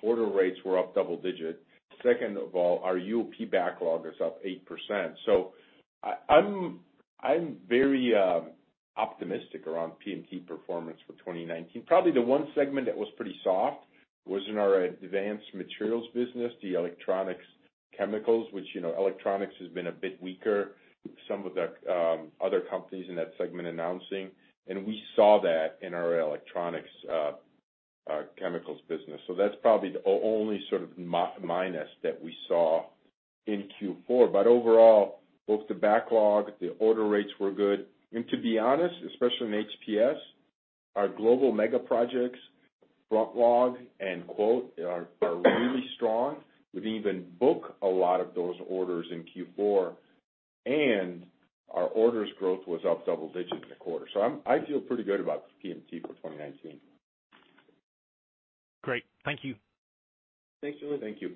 order rates were up double-digit. Second of all, our UOP backlog is up 8%. I'm very optimistic around PMT performance for 2019. Probably the one segment that was pretty soft was in our advanced materials business, the electronics chemicals, which electronics has been a bit weaker. Some of the other companies in that segment announcing, and we saw that in our electronics chemicals business. That's probably the only sort of minus that we saw in Q4. Overall, both the backlog, the order rates were good. To be honest, especially in HPS, our global mega projects front log and quote are really strong. We didn't even book a lot of those orders in Q4, and our orders growth was up double-digits in the quarter. I feel pretty good about PMT for 2019. Great. Thank you. Thanks, Julian. Thank you.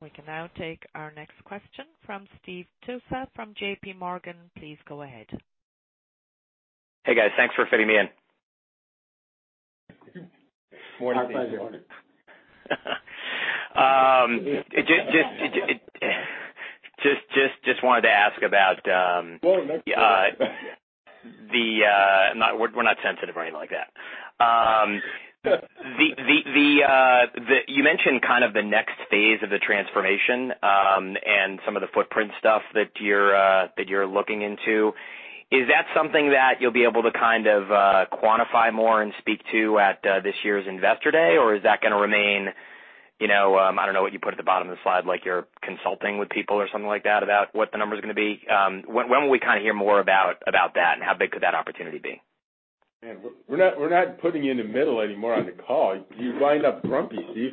We can now take our next question from Steve Tusa from JPMorgan. Please go ahead. Hey, guys. Thanks for fitting me in. Morning, Steve. Our pleasure. Just wanted to ask about- Go ahead. No, it's okay. We're not sensitive or anything like that. You mentioned kind of the next phase of the transformation, and some of the footprint stuff that you're looking into. Is that something that you'll be able to kind of quantify more and speak to at this year's Investor Day? Or is that going to remain, I don't know what you put at the bottom of the slide, like you're consulting with people or something like that about what the number's going to be? When will we kind of hear more about that, and how big could that opportunity be? Man, we're not putting you in the middle anymore on the call. You wind up grumpy, Steve.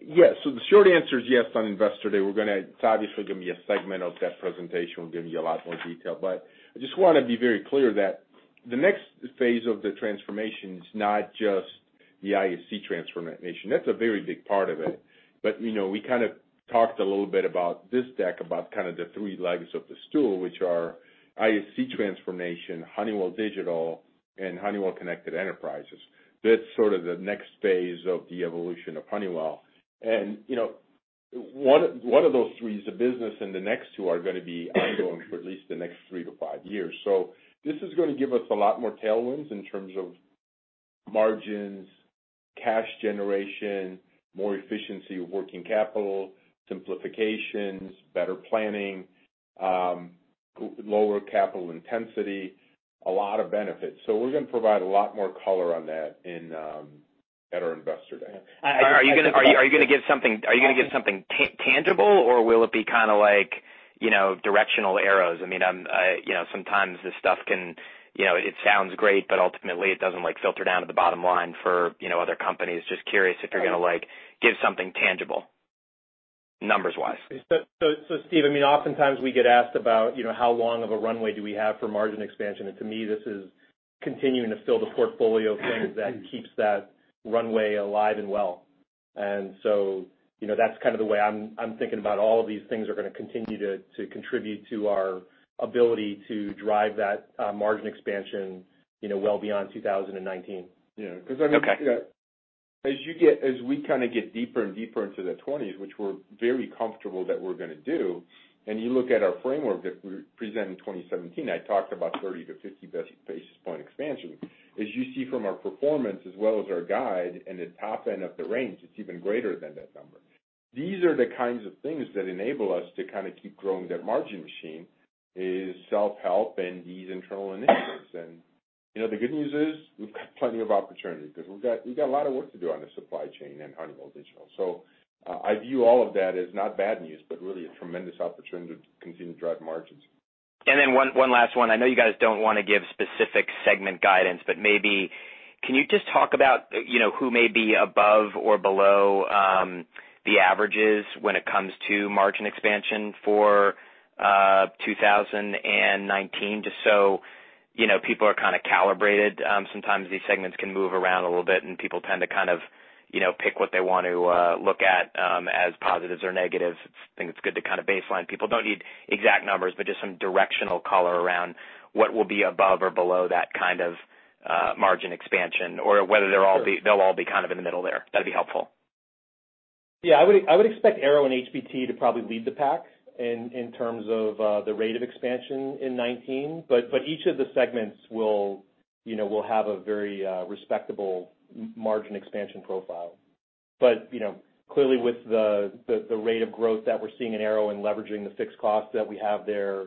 The short answer is yes on Investor Day. It's obviously going to be a segment of that presentation. We'll give you a lot more detail. I just want to be very clear that the next phase of the transformation is not just the ISC transformation. That's a very big part of it. We kind of talked a little bit about this deck, about kind of the three legs of the stool, which are ISC transformation, Honeywell Digital, and Honeywell Connected Enterprise. That's sort of the next phase of the evolution of Honeywell. One of those three is a business and the next two are going to be ongoing for at least the next 3-5 years. This is going to give us a lot more tailwinds in terms of margins, cash generation, more efficiency of working capital, simplifications, better planning, lower capital intensity, a lot of benefits. We're going to provide a lot more color on that at our Investor Day. Are you going to give something tangible, or will it be kind of like directional arrows. Sometimes this stuff can, it sounds great, but ultimately it doesn't filter down to the bottom line for other companies. Just curious if you're going to give something tangible numbers-wise. Steve, oftentimes we get asked about how long of a runway do we have for margin expansion, and to me, this is continuing to fill the portfolio of things that keeps that runway alive and well. That's kind of the way I'm thinking about all of these things are going to continue to contribute to our ability to drive that margin expansion well beyond 2019. Okay. As we kind of get deeper and deeper into the 2020s, which we're very comfortable that we're going to do, and you look at our framework that we presented in 2017, I talked about 30 to 50 basis point expansion. As you see from our performance as well as our guide in the top end of the range, it's even greater than that number. These are the kinds of things that enable us to kind of keep growing that margin machine is self-help and these internal initiatives. The good news is we've got plenty of opportunity because we've got a lot of work to do on the supply chain and Honeywell Digital. I view all of that as not bad news, but really a tremendous opportunity to continue to drive margins. One last one. I know you guys don't want to give specific segment guidance, but maybe can you just talk about who may be above or below the averages when it comes to margin expansion for 2019, just so people are kind of calibrated. Sometimes these segments can move around a little bit, and people tend to kind of pick what they want to look at as positives or negatives. I think it's good to kind of baseline. People don't need exact numbers, but just some directional color around what will be above or below that kind of margin expansion, or whether they'll all be kind of in the middle there. That'd be helpful. Yeah, I would expect Aero and HBT to probably lead the pack in terms of the rate of expansion in 2019. Each of the segments will have a very respectable margin expansion profile. Clearly with the rate of growth that we're seeing in Aero and leveraging the fixed costs that we have there,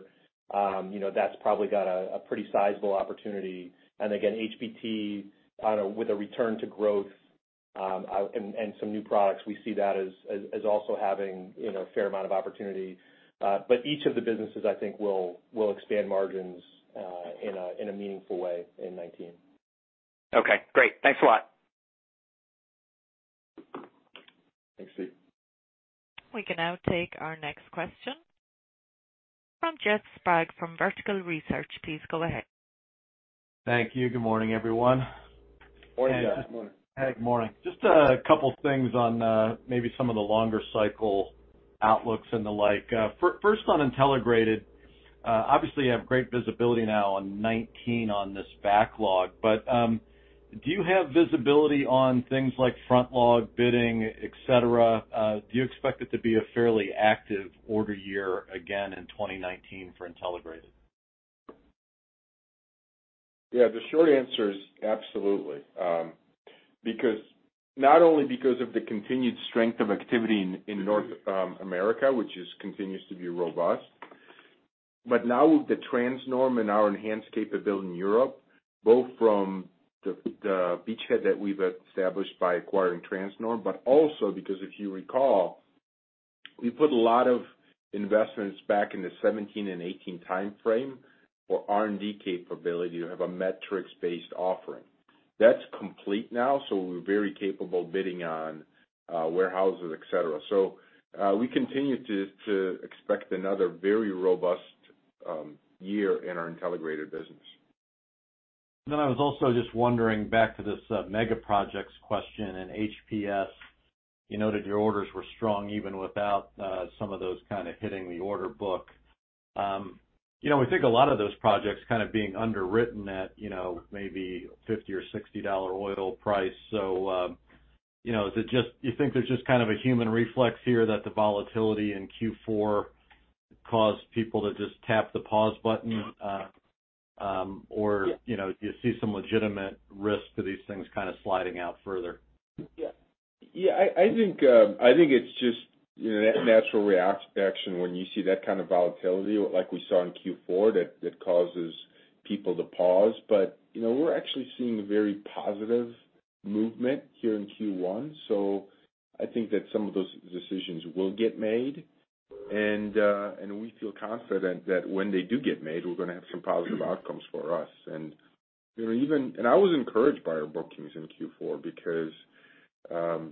that's probably got a pretty sizable opportunity. Again, HBT with a return to growth and some new products, we see that as also having a fair amount of opportunity. Each of the businesses, I think will expand margins in a meaningful way in 2019. Okay, great. Thanks a lot. Thanks, Steve. We can now take our next question from Jeff Sprague from Vertical Research. Please go ahead. Thank you. Good morning, everyone. Morning, Jeff. Good morning. Hey, good morning. Just a couple things on maybe some of the longer cycle outlooks and the like. First on Intelligrated. Obviously, you have great visibility now on 2019 on this backlog, but do you have visibility on things like front log bidding, et cetera? Do you expect it to be a fairly active order year again in 2019 for Intelligrated? Yeah. The short answer is absolutely. Not only because of the continued strength of activity in North America, which continues to be robust, but now with the Transnorm and our enhanced capability in Europe, both from the beachhead that we've established by acquiring Transnorm, but also because if you recall, we put a lot of investments back in the 2017 and 2018 timeframe for R&D capability to have a metrics-based offering. That's complete now, so we're very capable of bidding on warehouses, et cetera. We continue to expect another very robust year in our Intelligrated business. I was also just wondering back to this mega projects question and HPS, you noted your orders were strong even without some of those kind of hitting the order book. We think a lot of those projects kind of being underwritten at maybe $50 or $60 oil price. Do you think there's just kind of a human reflex here that the volatility in Q4 caused people to just tap the pause button? Or do you see some legitimate risk to these things kind of sliding out further? Yeah. I think it's just that natural reaction when you see that kind of volatility like we saw in Q4, that causes people to pause. We're actually seeing very positive movement here in Q1. I think that some of those decisions will get made, and we feel confident that when they do get made, we're going to have some positive outcomes for us. I was encouraged by our bookings in Q4 because,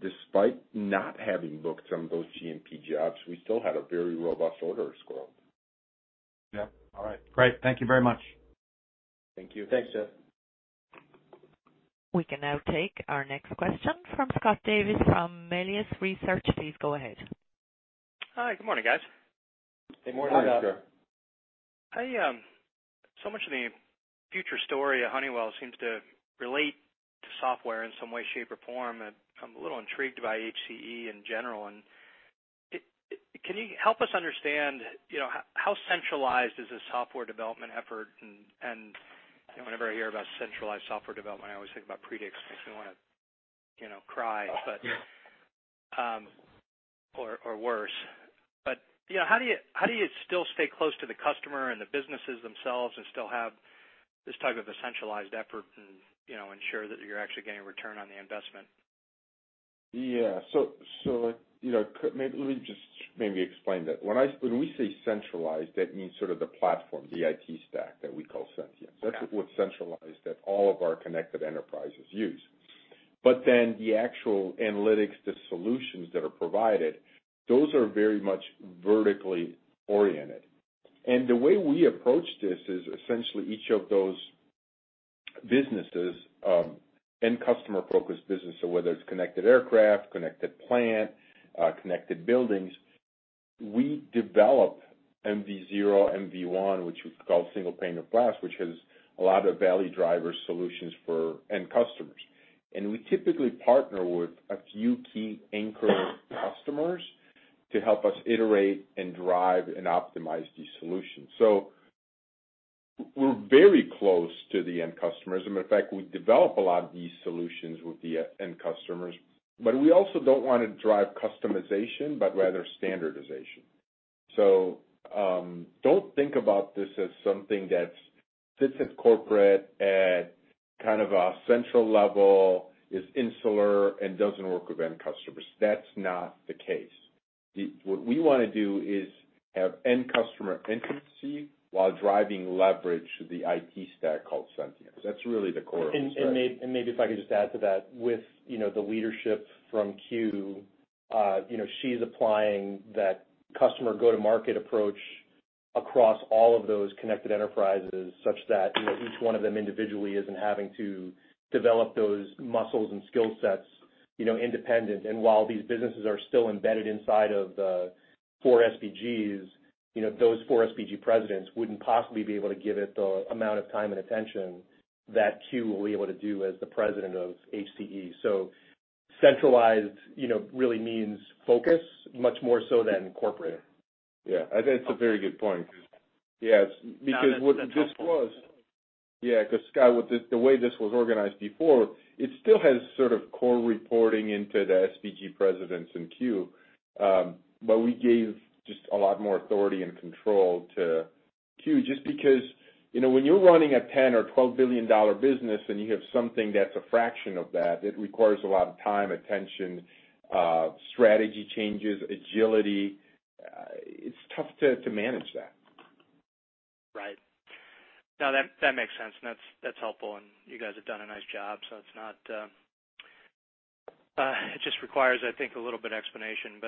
despite not having booked some of those GMP jobs, we still had a very robust order scroll. Yeah. All right, great. Thank you very much. Thank you. Thanks, Jeff. We can now take our next question from Scott Davis from Melius Research. Please go ahead. Hi. Good morning, guys. Good morning, Scott. Hi. Much of the future story of Honeywell seems to relate to software in some way, shape, or form, and I'm a little intrigued by HCE in general. Can you help us understand how centralized is the software development effort, and whenever I hear about centralized software development, I always think about Predix, makes me want to cry or worse. How do you still stay close to the customer and the businesses themselves and still have this type of a centralized effort and ensure that you're actually getting a return on the investment? Yeah. Let me just maybe explain that. When we say centralized, that means sort of the platform, the IT stack that we call Sentient. Yeah. That's what's centralized that all of our connected enterprises use. The actual analytics, the solutions that are provided, those are very much vertically oriented. The way we approach this is essentially each of those businesses, end customer-focused business, whether it's connected aircraft, connected plant, connected buildings, we develop MVP0, MVP1, which we call single pane of glass, which has a lot of value driver solutions for end customers. We typically partner with a few key anchor customers to help us iterate and drive and optimize these solutions. We're very close to the end customers. As a matter of fact, we develop a lot of these solutions with the end customers. We also don't want to drive customization, but rather standardization. Don't think about this as something that sits at corporate at kind of a central level, is insular and doesn't work with end customers. That's not the case. What we want to do is have end customer intimacy while driving leverage to the IT stack called Sentient. That's really the core of the strategy. Maybe if I could just add to that, with the leadership from Q, she's applying that customer go-to-market approach across all of those connected enterprises, such that each one of them individually isn't having to develop those muscles and skill sets independent. While these businesses are still embedded inside of the four SBGs, those four SBG presidents wouldn't possibly be able to give it the amount of time and attention that Q will be able to do as the president of HCE. Centralized really means focus, much more so than corporate. Yeah. I think it's a very good point. Yeah, because Scott, the way this was organized before, it still has sort of core reporting into the SBG presidents in Q, we gave just a lot more authority and control to Q, just because when you're running a $10 or $12 billion business and you have something that's a fraction of that, it requires a lot of time, attention, strategy changes, agility. It's tough to manage that. Right. No, that makes sense, and that's helpful, and you guys have done a nice job. It just requires, I think, a little bit of explanation.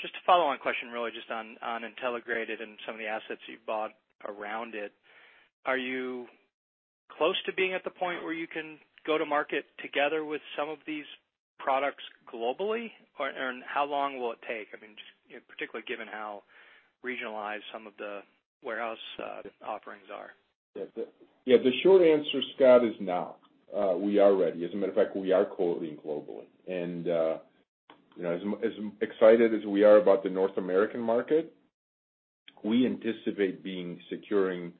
Just a follow-on question, really just on Intelligrated and some of the assets you've bought around it. Are you close to being at the point where you can go to market together with some of these products globally? Or how long will it take? I mean, particularly given how regionalized some of the warehouse offerings are. Yeah. The short answer, Scott, is now. We are ready. As a matter of fact, we are coding globally. As excited as we are about the North American market, we anticipate securing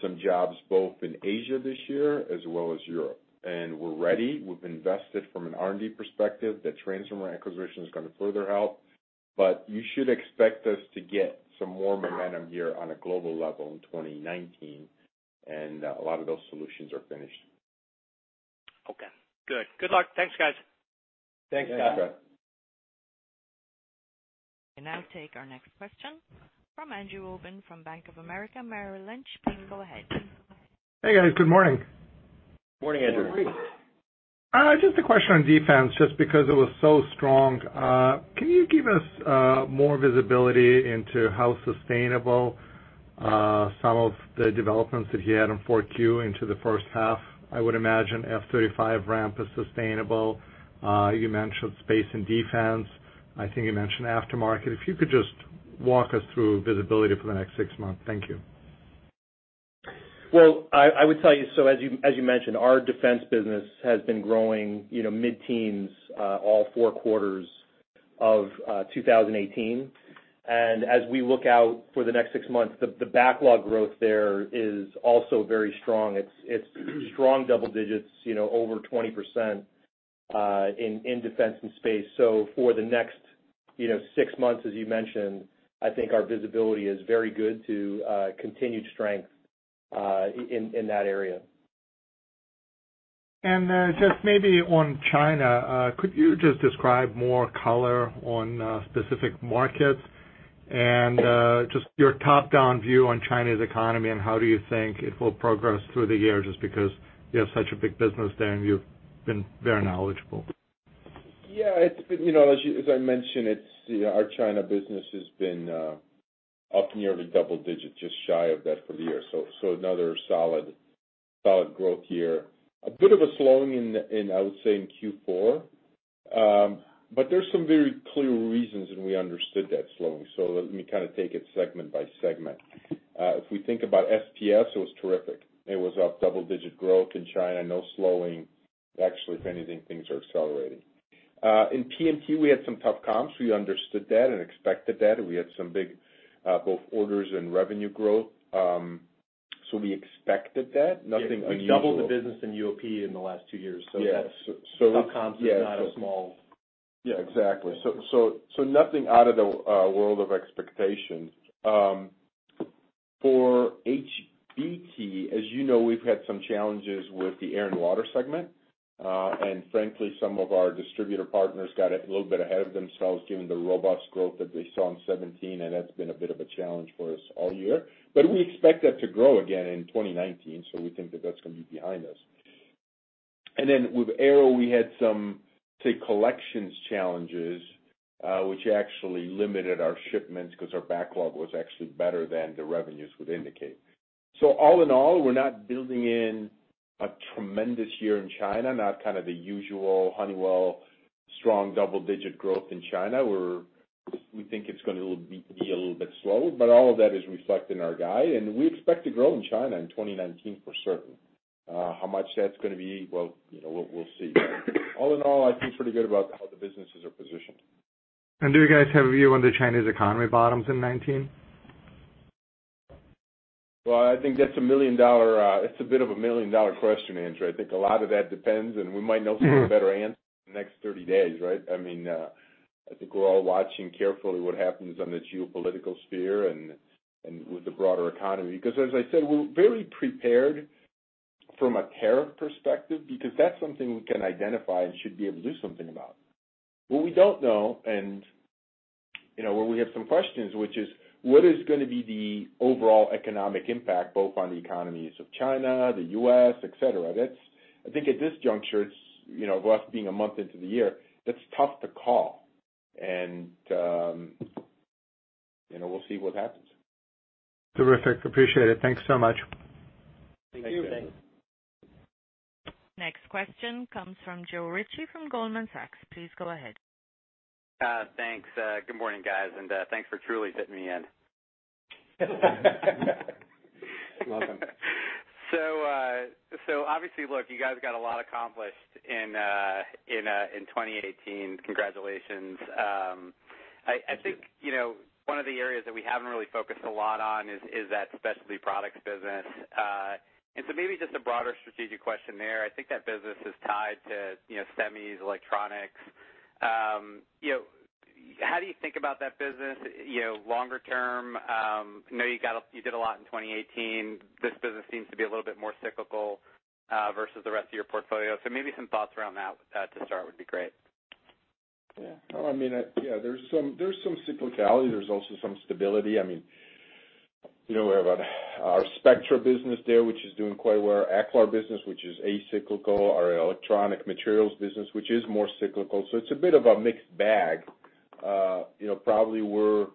some jobs both in Asia this year as well as Europe. We're ready. We've invested from an R&D perspective. The Transnorm acquisition is going to further help. You should expect us to get some more momentum here on a global level in 2019, and a lot of those solutions are finished. Okay, good. Good luck. Thanks, guys. Thanks, Scott. Thanks. We'll now take our next question from Andrew Obin from Bank of America Merrill Lynch. Please go ahead. Hey, guys. Good morning. Morning, Andrew. Good morning. Just a question on Defense, just because it was so strong. Can you give us more visibility into how sustainable some of the developments that you had in 4Q into the first half? I would imagine F-35 ramp is sustainable. You mentioned Space and Defense. I think you mentioned aftermarket. If you could just walk us through visibility for the next six months. Thank you. I would tell you, as you mentioned, our Defense business has been growing mid-teens all four quarters of 2018. As we look out for the next six months, the backlog growth there is also very strong. It's strong double digits, over 20% in Defense and Space. For the next six months, as you mentioned, I think our visibility is very good to continued strength in that area. Just maybe on China, could you just describe more color on specific markets and just your top-down view on China's economy, and how do you think it will progress through the year, just because you have such a big business there, and you've been very knowledgeable? Yeah. As I mentioned, our China business has been up nearly double-digit, just shy of that for the year. Another solid growth year. A bit of a slowing in, I would say, in Q4, but there's some very clear reasons, and we understood that slowing. Let me kind of take it segment by segment. If we think about SPS, it was terrific. It was up double-digit growth in China, no slowing. Actually, if anything, things are accelerating. In PMT, we had some tough comps. We understood that and expected that. We had some big both orders and revenue growth. We expected that. Nothing unusual. We've doubled the business in UOP in the last two years. Yeah A comp that's not a small. Yeah, exactly. Nothing out of the world of expectations. For HBT, as you know, we've had some challenges with the air and water segment. Frankly, some of our distributor partners got a little bit ahead of themselves, given the robust growth that they saw in 2017, and that's been a bit of a challenge for us all year. We expect that to grow again in 2019. We think that that's going to be behind us. With Aero, we had some, say, collections challenges, which actually limited our shipments because our backlog was actually better than the revenues would indicate. All in all, we're not building in a tremendous year in China, not kind of the usual Honeywell strong double-digit growth in China, where we think it's going to be a little bit slow. All of that is reflected in our guide. We expect to grow in China in 2019 for certain. How much that's going to be, well, we'll see. All in all, I feel pretty good about how the businesses are positioned. Do you guys have a view on the Chinese economy bottoms in 2019? Well, I think that's a bit of a million-dollar question, Andrew. I think a lot of that depends. We might know some of the better answers in the next 30 days, right? I think we're all watching carefully what happens on the geopolitical sphere and with the broader economy. As I said, we're very prepared from a tariff perspective, because that's something we can identify and should be able to do something about. What we don't know. Where we have some questions, which is: What is going to be the overall economic impact, both on the economies of China, the U.S., et cetera? I think at this juncture, with us being a month into the year, that's tough to call. We'll see what happens. Terrific. Appreciate it. Thanks so much. Thank you. Next question comes from Joe Ritchie from Goldman Sachs. Please go ahead. Thanks. Good morning, guys, and thanks for truly fitting me in. Welcome. Obviously, look, you guys got a lot accomplished in 2018. Congratulations. I think one of the areas that we haven't really focused a lot on is that specialty products business. Maybe just a broader strategic question there. I think that business is tied to semis, electronics. How do you think about that business longer term? I know you did a lot in 2018. This business seems to be a little bit more cyclical versus the rest of your portfolio. Maybe some thoughts around that to start would be great. Yeah. There's some cyclicality. There's also some stability. We have our Spectra business there, which is doing quite well. Our Aclar business, which is as chuckle, our electronic materials business, which is more cyclical. It's a bit of a mixed bag. Probably we're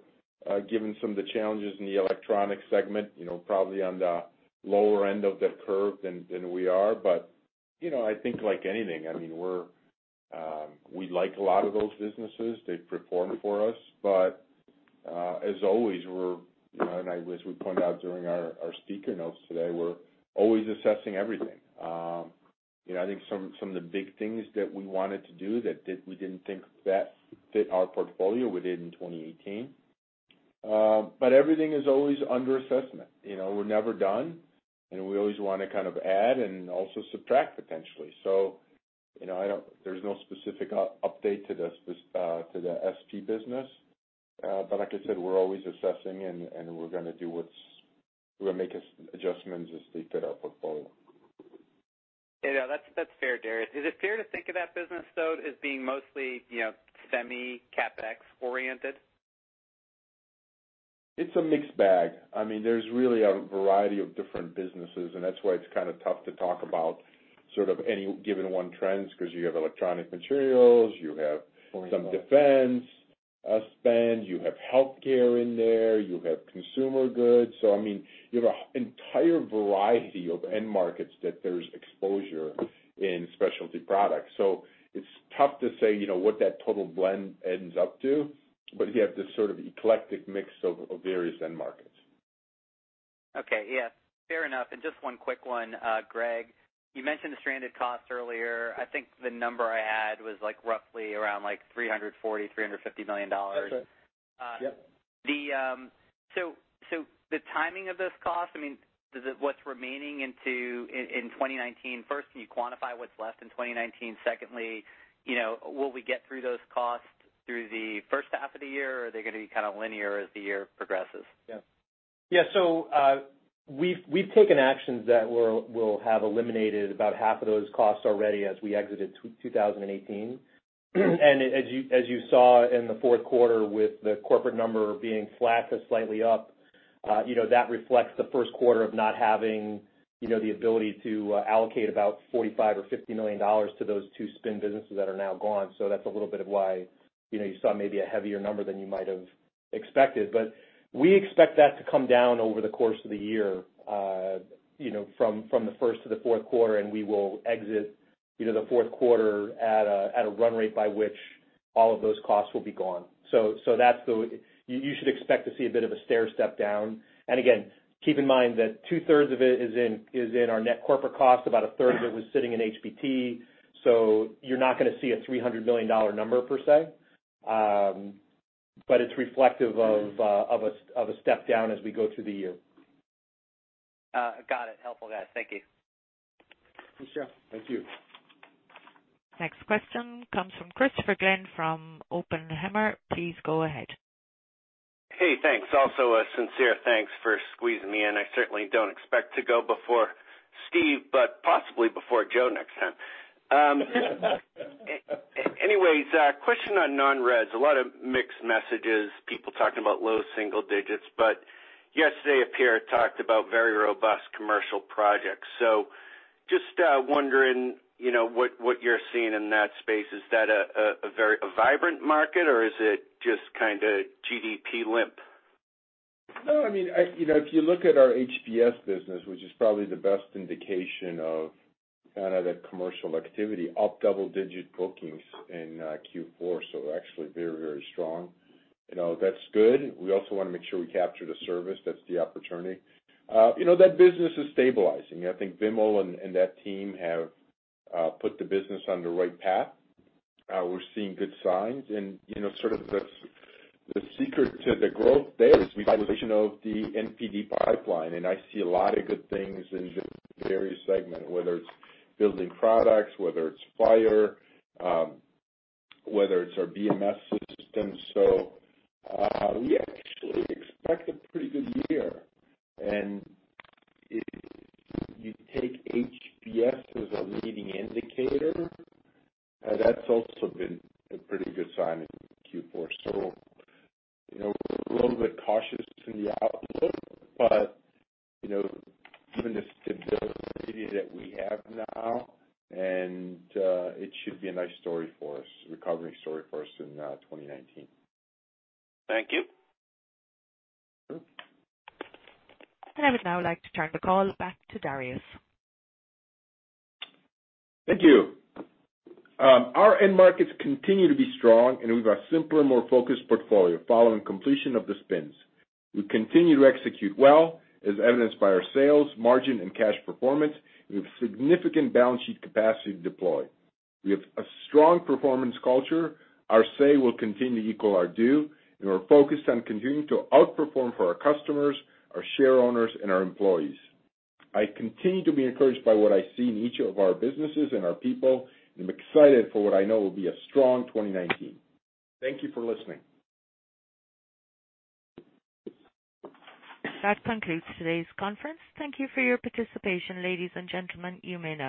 giving some of the challenges in the electronic segment, probably on the lower end of the curve than we are. I think like anything, we like a lot of those businesses. They've performed for us. As always, and as we pointed out during our speaker notes today, we're always assessing everything. I think some of the big things that we wanted to do that we didn't think fit our portfolio, we did in 2018. Everything is always under assessment. We're never done, and we always want to add and also subtract, potentially. There's no specific update to the SP business. Like I said, we're always assessing, and we're going to make adjustments as they fit our portfolio. Yeah. That's fair, Darius. Is it fair to think of that business, though, as being mostly semi CapEx oriented? It's a mixed bag. There's really a variety of different businesses, that's why it's kind of tough to talk about any given one trends, because you have electronic materials, you have some defense spend, you have healthcare in there, you have consumer goods. You have an entire variety of end markets that there's exposure in specialty products. It's tough to say what that total blend ends up to, but you have this sort of eclectic mix of various end markets. Okay. Yeah. Fair enough. Just one quick one. Greg, you mentioned the stranded cost earlier. I think the number I had was roughly around like $340 million, $350 million. That's it. Yep. The timing of this cost, what's remaining in 2019, first, can you quantify what's left in 2019? Secondly, will we get through those costs through the first half of the year, or are they going to be kind of linear as the year progresses? We've taken actions that will have eliminated about half of those costs already as we exited 2018. As you saw in the fourth quarter with the corporate number being flat to slightly up, that reflects the first quarter of not having the ability to allocate about $45 million or $50 million to those two spin businesses that are now gone. That's a little bit of why you saw maybe a heavier number than you might have expected. We expect that to come down over the course of the year from the first to the fourth quarter, and we will exit the fourth quarter at a run rate by which all of those costs will be gone. You should expect to see a bit of a stair-step down. Again, keep in mind that 2/3 of it is in our net corporate cost. About a third of it was sitting in HBT. You're not going to see a $300 million number, per se. It's reflective of a step down as we go through the year. Got it. Helpful, guys. Thank you. Thanks, Jeff. Thank you. Next question comes from Christopher Glynn from Oppenheimer. Please go ahead. Hey, thanks. Also, a sincere thanks for squeezing me in. I certainly don't expect to go before Steve, but possibly before Joe next time. A question on non-res. A lot of mixed messages, people talking about low single digits. Yesterday, a peer talked about very robust commercial projects. Just wondering what you're seeing in that space. Is that a vibrant market or is it just kind of GDP limp? If you look at our HPS business, which is probably the best indication of kind of the commercial activity, up double-digit bookings in Q4, actually very, very strong. That's good. We also want to make sure we capture the service. That's the opportunity. That business is stabilizing. I think Vimal and that team have put the business on the right path. We're seeing good signs and sort of the secret to the growth there is revitalization of the NPD pipeline, I see a lot of good things in various segments, whether it's building products, whether it's fire, whether it's our BMS systems. We actually expect a pretty good year. If you take HPS as a leading indicator, that's also been a pretty good sign in Q4. We're a little bit cautious in the outlook, given the stability that we have now, it should be a nice story for us, recovering story for us in 2019. Thank you. I would now like to turn the call back to Darius. Thank you. Our end markets continue to be strong, and we have a simpler, more focused portfolio following completion of the spins. We continue to execute well, as evidenced by our sales, margin, and cash performance. We have significant balance sheet capacity to deploy. We have a strong performance culture. Our say will continue to equal our due, and we're focused on continuing to outperform for our customers, our shareowners, and our employees. I continue to be encouraged by what I see in each of our businesses and our people, and I'm excited for what I know will be a strong 2019. Thank you for listening. That concludes today's conference. Thank you for your participation, ladies and gentlemen. You may now disconnect.